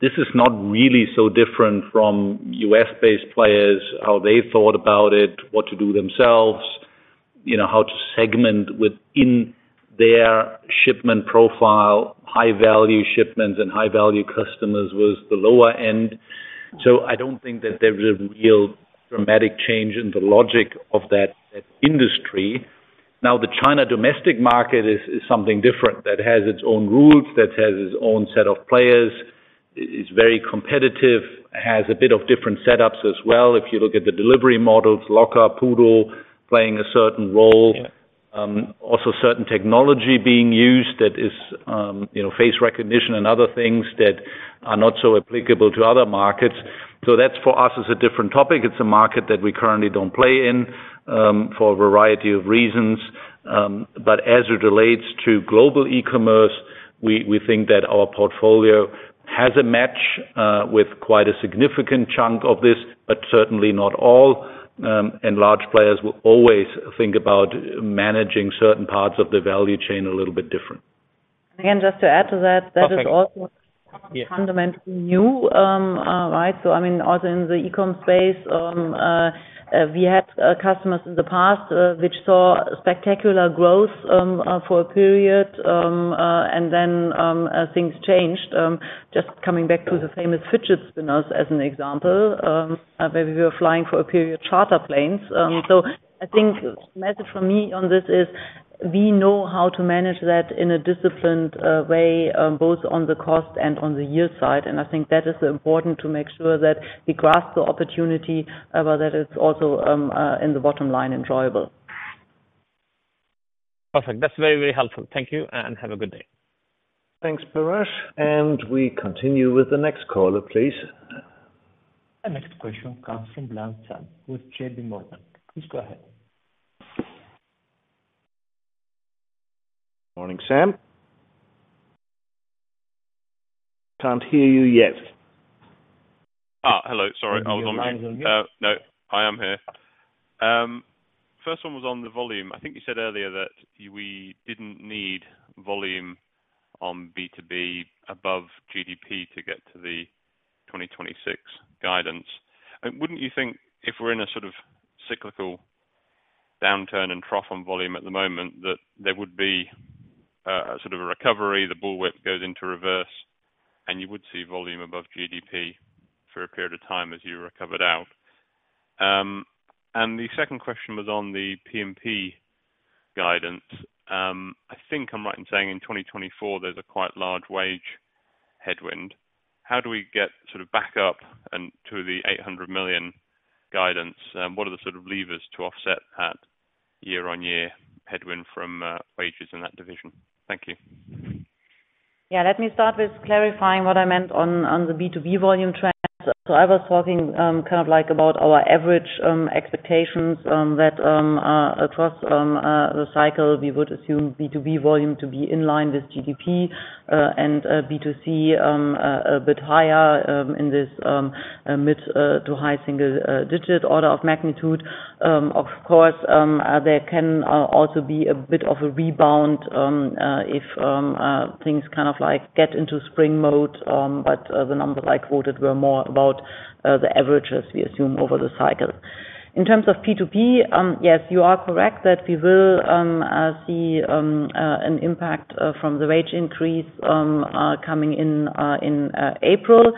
This is not really so different from U.S.-based players, how they thought about it, what to do themselves, how to segment within their shipment profile. High-value shipments and high-value customers was the lower end. So I don't think that there's a real dramatic change in the logic of that industry. Now, the China domestic market is something different that has its own rules, that has its own set of players, is very competitive, has a bit of different setups as well. If you look at the delivery models, lockers, Pinduoduo playing a certain role, also certain technology being used that is face recognition and other things that are not so applicable to other markets. So that's, for us, a different topic. It's a market that we currently don't play in for a variety of reasons. But as it relates to global e-commerce, we think that our portfolio has a match with quite a significant chunk of this, but certainly not all. And large players will always think about managing certain parts of the value chain a little bit different. And again, just to add to that, that is also fundamentally new, right? So I mean, also in the e-com space, we had customers in the past which saw spectacular growth for a period. And then things changed. Just coming back to the famous fidget spinners as an example, where we were flying for a period charter planes. So I think the message from me on this is we know how to manage that in a disciplined way, both on the cost and on the yield side. And I think that is important to make sure that we grasp the opportunity, but that it's also in the bottom line enjoyable. Perfect. That's very, very helpful. Thank you and have a good day. Thanks, Parash. And we continue with the next caller, please. Next question comes from Samuel Bland with JPMorgan. Please go ahead. Morning, Sam. Can't hear you yet. Hello. Sorry. I was on mute. No. I am here. First one was on the volume. I think you said earlier that we didn't need volume on B2B above GDP to get to the 2026 guidance. Wouldn't you think if we're in a sort of cyclical downturn and trough on volume at the moment, that there would be sort of a recovery, the bullwhip goes into reverse, and you would see volume above GDP for a period of time as you recovered out? And the second question was on the P&P guidance. I think I'm right in saying in 2024, there's a quite large wage headwind. How do we get sort of back up to the 800 million guidance? What are the sort of levers to offset that year-on-year headwind from wages in that division? Thank you. Yeah. Let me start with clarifying what I meant on the B2B volume trends. So I was talking kind of about our average expectations that across the cycle, we would assume B2B volume to be in line with GDP and B2C a bit higher in this mid- to high-single-digit order of magnitude. Of course, there can also be a bit of a rebound if things kind of get into spring mode. But the numbers I quoted were more about the averages we assume over the cycle. In terms of P&P, yes, you are correct that we will see an impact from the wage increase coming in April.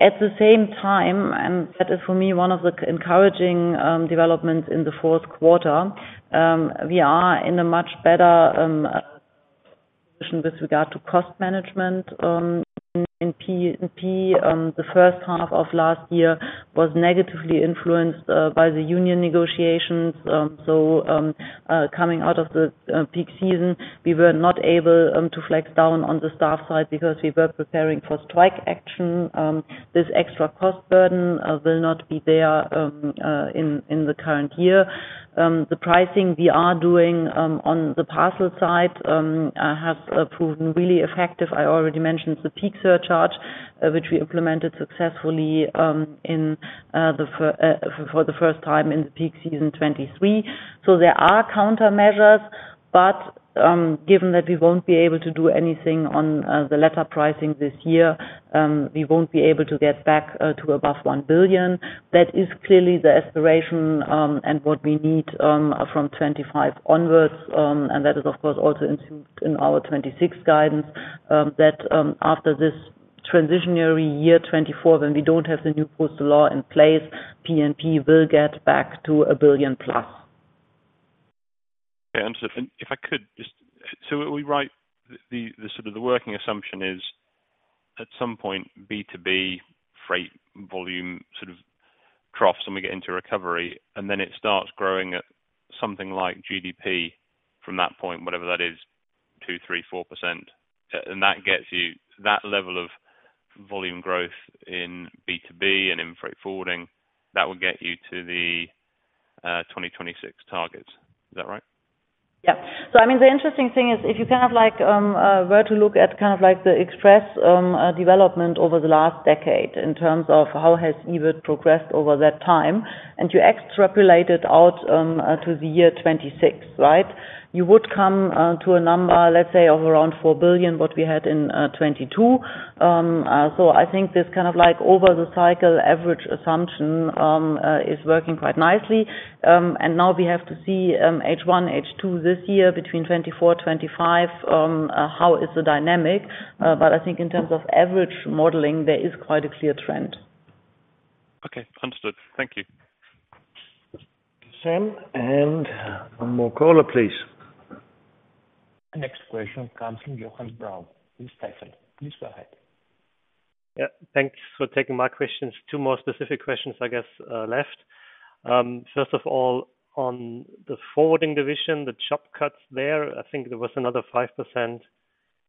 At the same time, and that is for me one of the encouraging developments in the Q4, we are in a much better position with regard to cost management. In P&P, the first half of last year was negatively influenced by the union negotiations. So coming out of the peak season, we were not able to flex down on the staff side because we were preparing for strike action. This extra cost burden will not be there in the current year. The pricing we are doing on the parcel side has proven really effective. I already mentioned the peak surcharge, which we implemented successfully for the first time in the peak season 2023. So there are countermeasures. But given that we won't be able to do anything on the letter pricing this year, we won't be able to get back to above 1 billion. That is clearly the aspiration and what we need from 2025 onwards. And that is, of course, also ensured in our 2026 guidance that after this transitional year, 2024, when we don't have the new postal law in place, P&P will get back to 1 billion plus. If I could just so we write the sort of working assumption is at some point, B2B freight volume sort of troughs and we get into recovery, and then it starts growing at something like GDP from that point, whatever that is, 2%-4%. That gets you that level of volume growth in B2B and in freight forwarding, that will get you to the 2026 targets. Is that right? Yep. I mean, the interesting thing is if you kind of were to look at kind of the Express development over the last decade in terms of how has EBIT progressed over that time, and you extrapolate it out to the year 2026, right, you would come to a number, let's say, of around 4 billion, what we had in 2022. I think this kind of over-the-cycle average assumption is working quite nicely. And now we have to see H1, H2 this year between 2024, 2025, how is the dynamic. But I think in terms of average modeling, there is quite a clear trend. Okay. Understood. Thank you. Sam. And one more caller, please. Next question comes from Johannes Braun. Please go ahead. Yeah. Thanks for taking my questions. Two more specific questions, I guess, left. First of all, on the forwarding division, the job cuts there, I think there was another 5%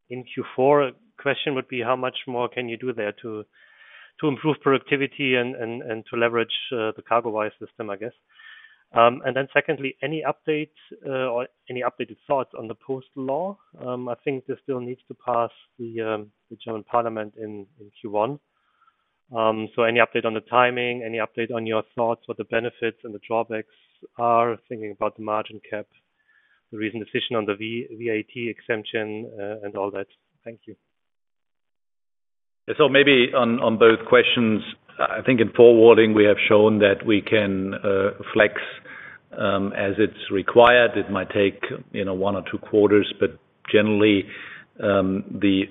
in Q4. Question would be how much more can you do there to improve productivity and to leverage the CargoWise system, I guess? And then secondly, any updates or any updated thoughts on the postal law? I think this still needs to pass the German Parliament in Q1. So any update on the timing, any update on your thoughts, what the benefits and the drawbacks are, thinking about the margin cap, the recent decision on the VAT exemption, and all that. Thank you. Yeah. So maybe on both questions, I think in forwarding, we have shown that we can flex as it's required. It might take one or two quarters. But generally, the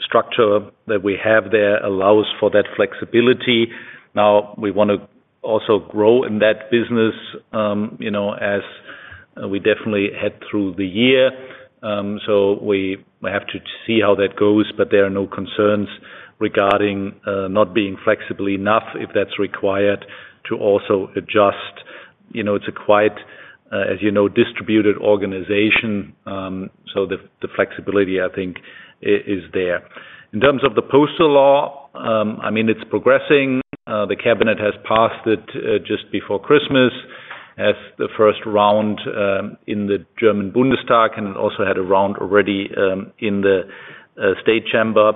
structure that we have there allows for that flexibility. Now, we want to also grow in that business as we definitely head through the year. So we have to see how that goes. But there are no concerns regarding not being flexible enough, if that's required, to also adjust. It's quite, as you know, distributed organization. So the flexibility, I think, is there. In terms of the postal law, I mean, it's progressing. The cabinet has passed it just before Christmas, has the first round in the German Bundestag, and it also had a round already in the State Chamber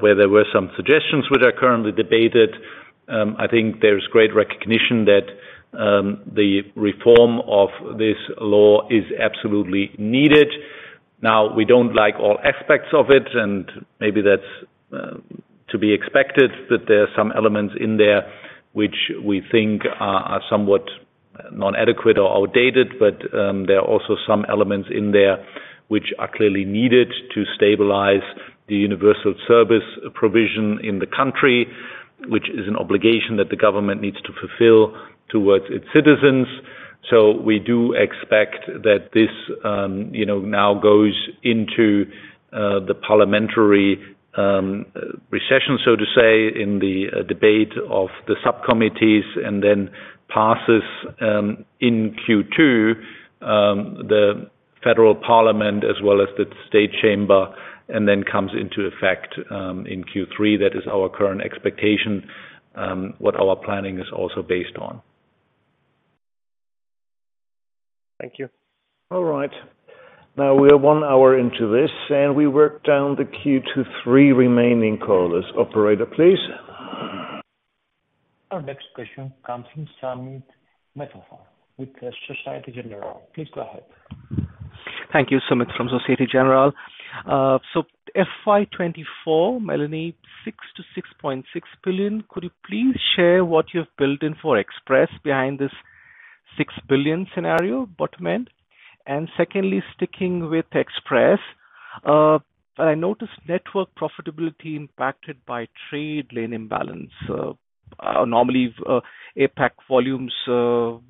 where there were some suggestions which are currently debated. I think there's great recognition that the reform of this law is absolutely needed. Now, we don't like all aspects of it. And maybe that's to be expected, that there are some elements in there which we think are somewhat nonadequate or outdated. But there are also some elements in there which are clearly needed to stabilize the universal service provision in the country, which is an obligation that the government needs to fulfill towards its citizens. So we do expect that this now goes into the parliamentary recession, so to say, in the debate of the subcommittees and then passes in Q2 the Federal Parliament as well as the State Chamber and then comes into effect in Q3. That is our current expectation, what our planning is also based on. Thank you. All right. Now, we are one hour into this. And we work down the Q2, Q3 remaining callers. Operator, please. Our next question comes from Sumit Mehrotra with Société Générale. Please go ahead. Thank you, Sumit, from Société Générale. So FY24, Melanie, 6 billion-6.6 billion. Could you please share what you've built in for Express behind this 6 billion scenario bottom end? And secondly, sticking with Express, I noticed network profitability impacted by trade lane imbalance. Normally, APAC volumes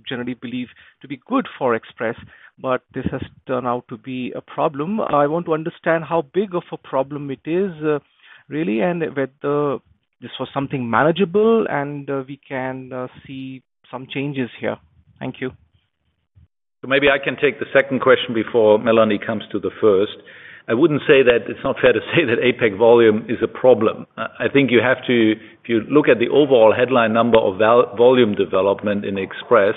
generally believe to be good for Express. But this has turned out to be a problem. I want to understand how big of a problem it is, really, and whether this was something manageable and we can see some changes here. Thank you. So maybe I can take the second question before Melanie comes to the first. I wouldn't say that it's not fair to say that APAC volume is a problem. I think you have to, if you look at the overall headline number of volume development in Express,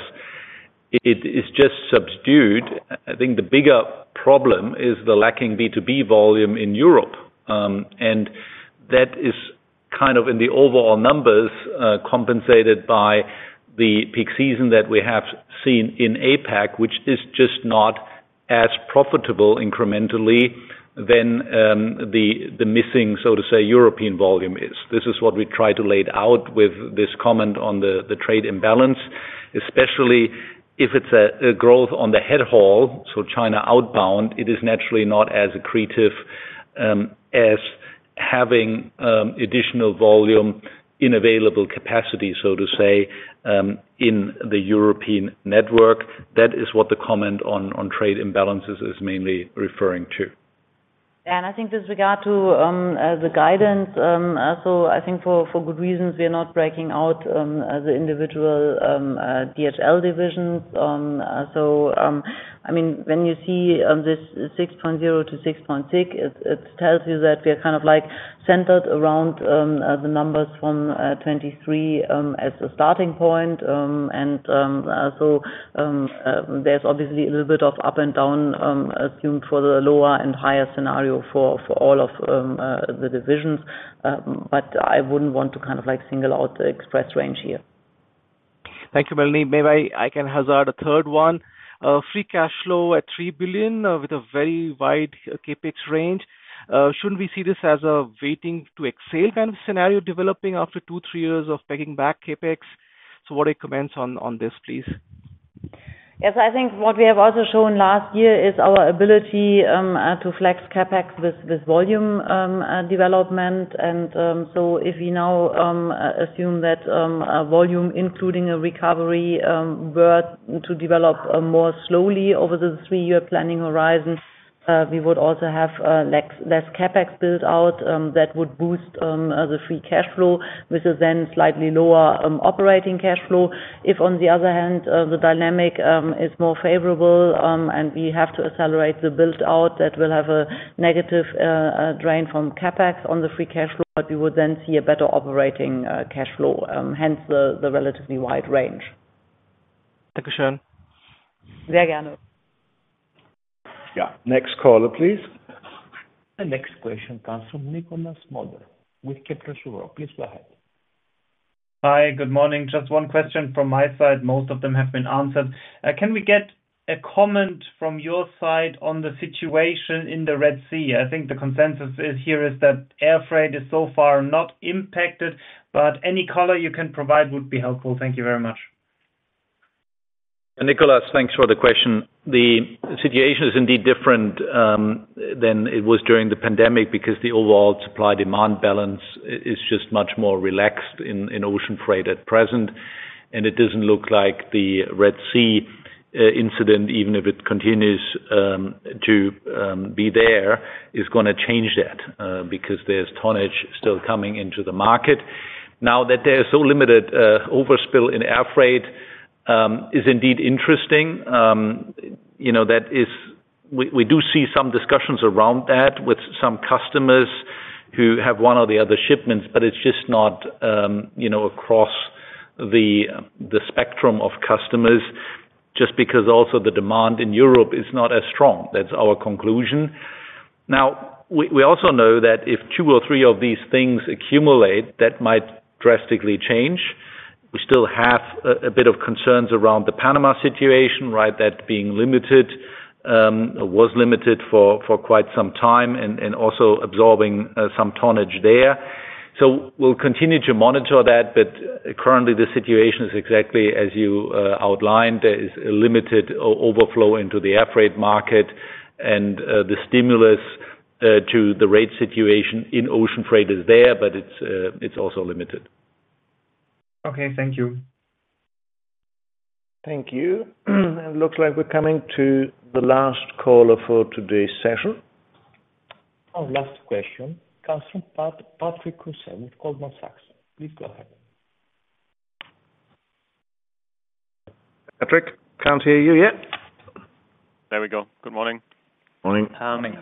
it is just subdued. I think the bigger problem is the lacking B2B volume in Europe. And that is kind of in the overall numbers compensated by the peak season that we have seen in APAC, which is just not as profitable incrementally than the missing, so to say, European volume is. This is what we try to lay it out with this comment on the trade imbalance, especially if it's a growth on the headhaul, so China outbound, it is naturally not as accretive as having additional volume in available capacity, so to say, in the European network. That is what the comment on trade imbalances is mainly referring to. Yeah. And I think with regard to the guidance, so I think for good reasons, we are not breaking out the individual DHL divisions. So I mean, when you see this 6.0-6.6, it tells you that we are kind of centered around the numbers from 2023 as a starting point. And so there's obviously a little bit of up and down assumed for the lower and higher scenario for all of the divisions. But I wouldn't want to kind of single out the Express range here. Thank you, Melanie. Maybe I can hazard a third one. Free cash flow at 3 billion with a very wide CapEx range. Shouldn't we see this as a waiting-to-exhale kind of scenario developing after two to three years of pegging back CapEx? So what are your comments on this, please? Yeah. So I think what we have also shown last year is our ability to flex CapEx with volume development. And so if we now assume that volume, including a recovery, were to develop more slowly over the 3-year planning horizon, we would also have less CapEx built out that would boost the free cash flow with a then slightly lower operating cash flow. If, on the other hand, the dynamic is more favorable and we have to accelerate the build-out, that will have a negative drain from CapEx on the free cash flow. But we would then see a better operating cash flow, hence the relatively wide range. Thank you, Sean. Sehr gerne. Yeah. Next caller, please. The next question comes from Nikolas Mauder, with Kepler Cheuvreux. Please go ahead. Hi. Good morning. Just one question from my side. Most of them have been answered. Can we get a comment from your side on the situation in the Red Sea? I think the consensus here is that air freight is so far not impacted. But any color you can provide would be helpful. Thank you very much. Yeah. Nikolas, thanks for the question. The situation is indeed different than it was during the pandemic because the overall supply-demand balance is just much more relaxed in ocean freight at present. And it doesn't look like the Red Sea incident, even if it continues to be there, is going to change that because there's tonnage still coming into the market. Now, that there is so limited overspill in air freight is indeed interesting. We do see some discussions around that with some customers who have one or the other shipments. But it's just not across the spectrum of customers just because also the demand in Europe is not as strong. That's our conclusion. Now, we also know that if two or three of these things accumulate, that might drastically change. We still have a bit of concerns around the Panama situation, right, that being limited or was limited for quite some time and also absorbing some tonnage there. So we'll continue to monitor that. But currently, the situation is exactly as you outlined. There is a limited overflow into the air freight market. And the stimulus to the rate situation in ocean freight is there. But it's also limited. Okay. Thank you. Thank you. It looks like we're coming to the last caller for today's session. Our last question comes from Patrick Creuset with Goldman Sachs. Please go ahead. Patrick, can't hear you yet. There we go. Good morning. Morning. Morning.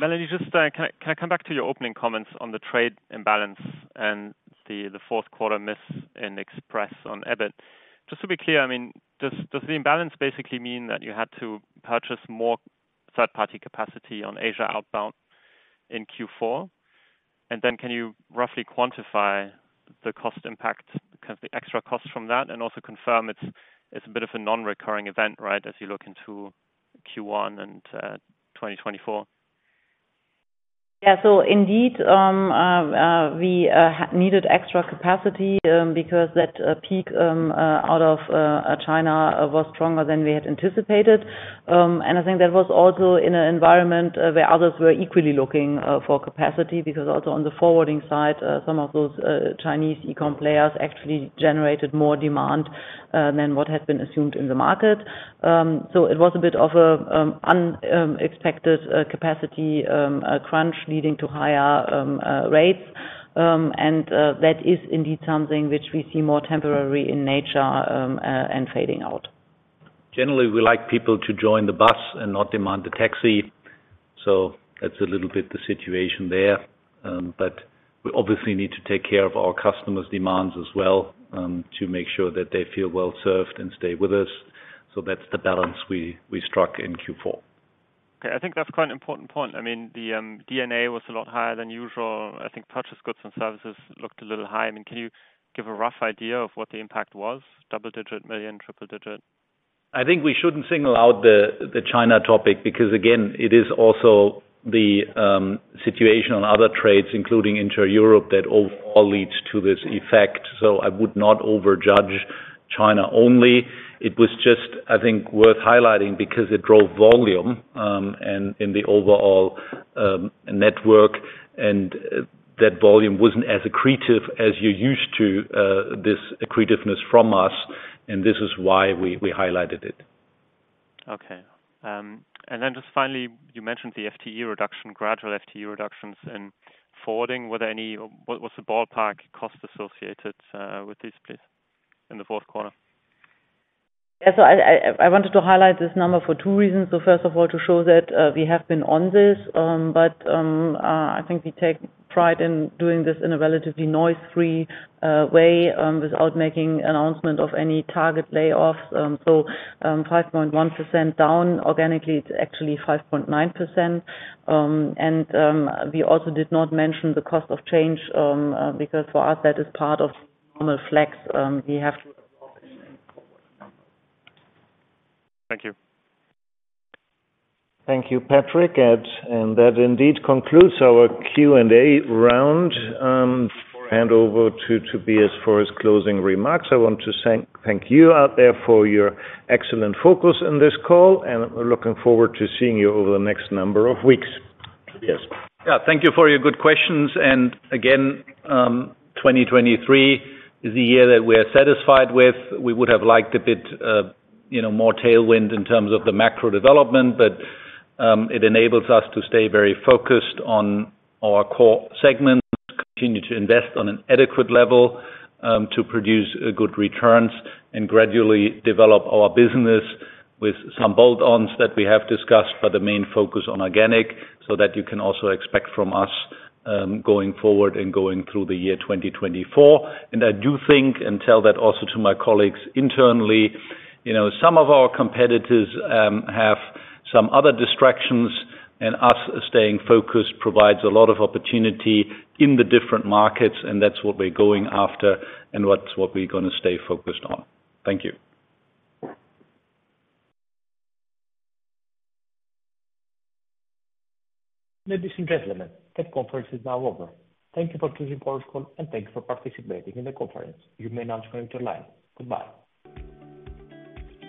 Melanie, can I come back to your opening comments on the trade imbalance and the Q4 miss in Express on EBIT? Just to be clear, I mean, does the imbalance basically mean that you had to purchase more third-party capacity on Asia outbound in Q4? And then can you roughly quantify the cost impact, kind of the extra cost from that, and also confirm it's a bit of a non-recurring event, right, as you look into Q1 and 2024? Yeah. So indeed, we needed extra capacity because that peak out of China was stronger than we had anticipated. I think that was also in an environment where others were equally looking for capacity because also on the forwarding side, some of those Chinese e-com players actually generated more demand than what had been assumed in the market. So it was a bit of an unexpected capacity crunch leading to higher rates. And that is indeed something which we see more temporary in nature and fading out. Generally, we like people to join the bus and not demand the taxi. So that's a little bit the situation there. But we obviously need to take care of our customers' demands as well to make sure that they feel well served and stay with us. So that's the balance we struck in Q4. Okay. I think that's quite an important point. I mean, the DNA was a lot higher than usual. I think purchase goods and services looked a little high. I mean, can you give a rough idea of what the impact was, double-digit million, triple-digit? I think we shouldn't single out the China topic because, again, it is also the situation on other trades, including Inter-Europe, that overall leads to this effect. So I would not overjudge China only. It was just, I think, worth highlighting because it drove volume in the overall network. And that volume wasn't as accretive as you're used to, this accretiveness from us. And this is why we highlighted it. Okay. And then just finally, you mentioned the FTE reduction, gradual FTE reductions in forwarding. What was the ballpark cost associated with this, please, in the Q4? Yeah. So I wanted to highlight this number for two reasons. So first of all, to show that we have been on this. But I think we take pride in doing this in a relatively noise-free way without making announcement of any target layoffs. So 5.1% down organically, it's actually 5.9%. And we also did not mention the cost of change because for us, that is part of normal flex we have to absorb in the forwarding number. Thank you. Thank you, Patrick. That indeed concludes our Q&A round. Before I hand over to Tobias for his closing remarks, I want to thank you out there for your excellent focus in this call. We're looking forward to seeing you over the next number of weeks. Tobias. Yeah. Thank you for your good questions. Again, 2023 is the year that we are satisfied with. We would have liked a bit more tailwind in terms of the macro development. It enables us to stay very focused on our core segment, continue to invest on an adequate level to produce good returns, and gradually develop our business with some bolt-ons that we have discussed but a main focus on organic so that you can also expect from us going forward and going through the year 2024. I do think and tell that also to my colleagues internally. Some of our competitors have some other distractions. Us staying focused provides a lot of opportunity in the different markets. That's what we're going after and what's what we're going to stay focused on. Thank you. Ladies and gentlemen, the conference is now over. Thank you for choosing Paul's call. Thanks for participating in the conference. You may now join with your line. Goodbye.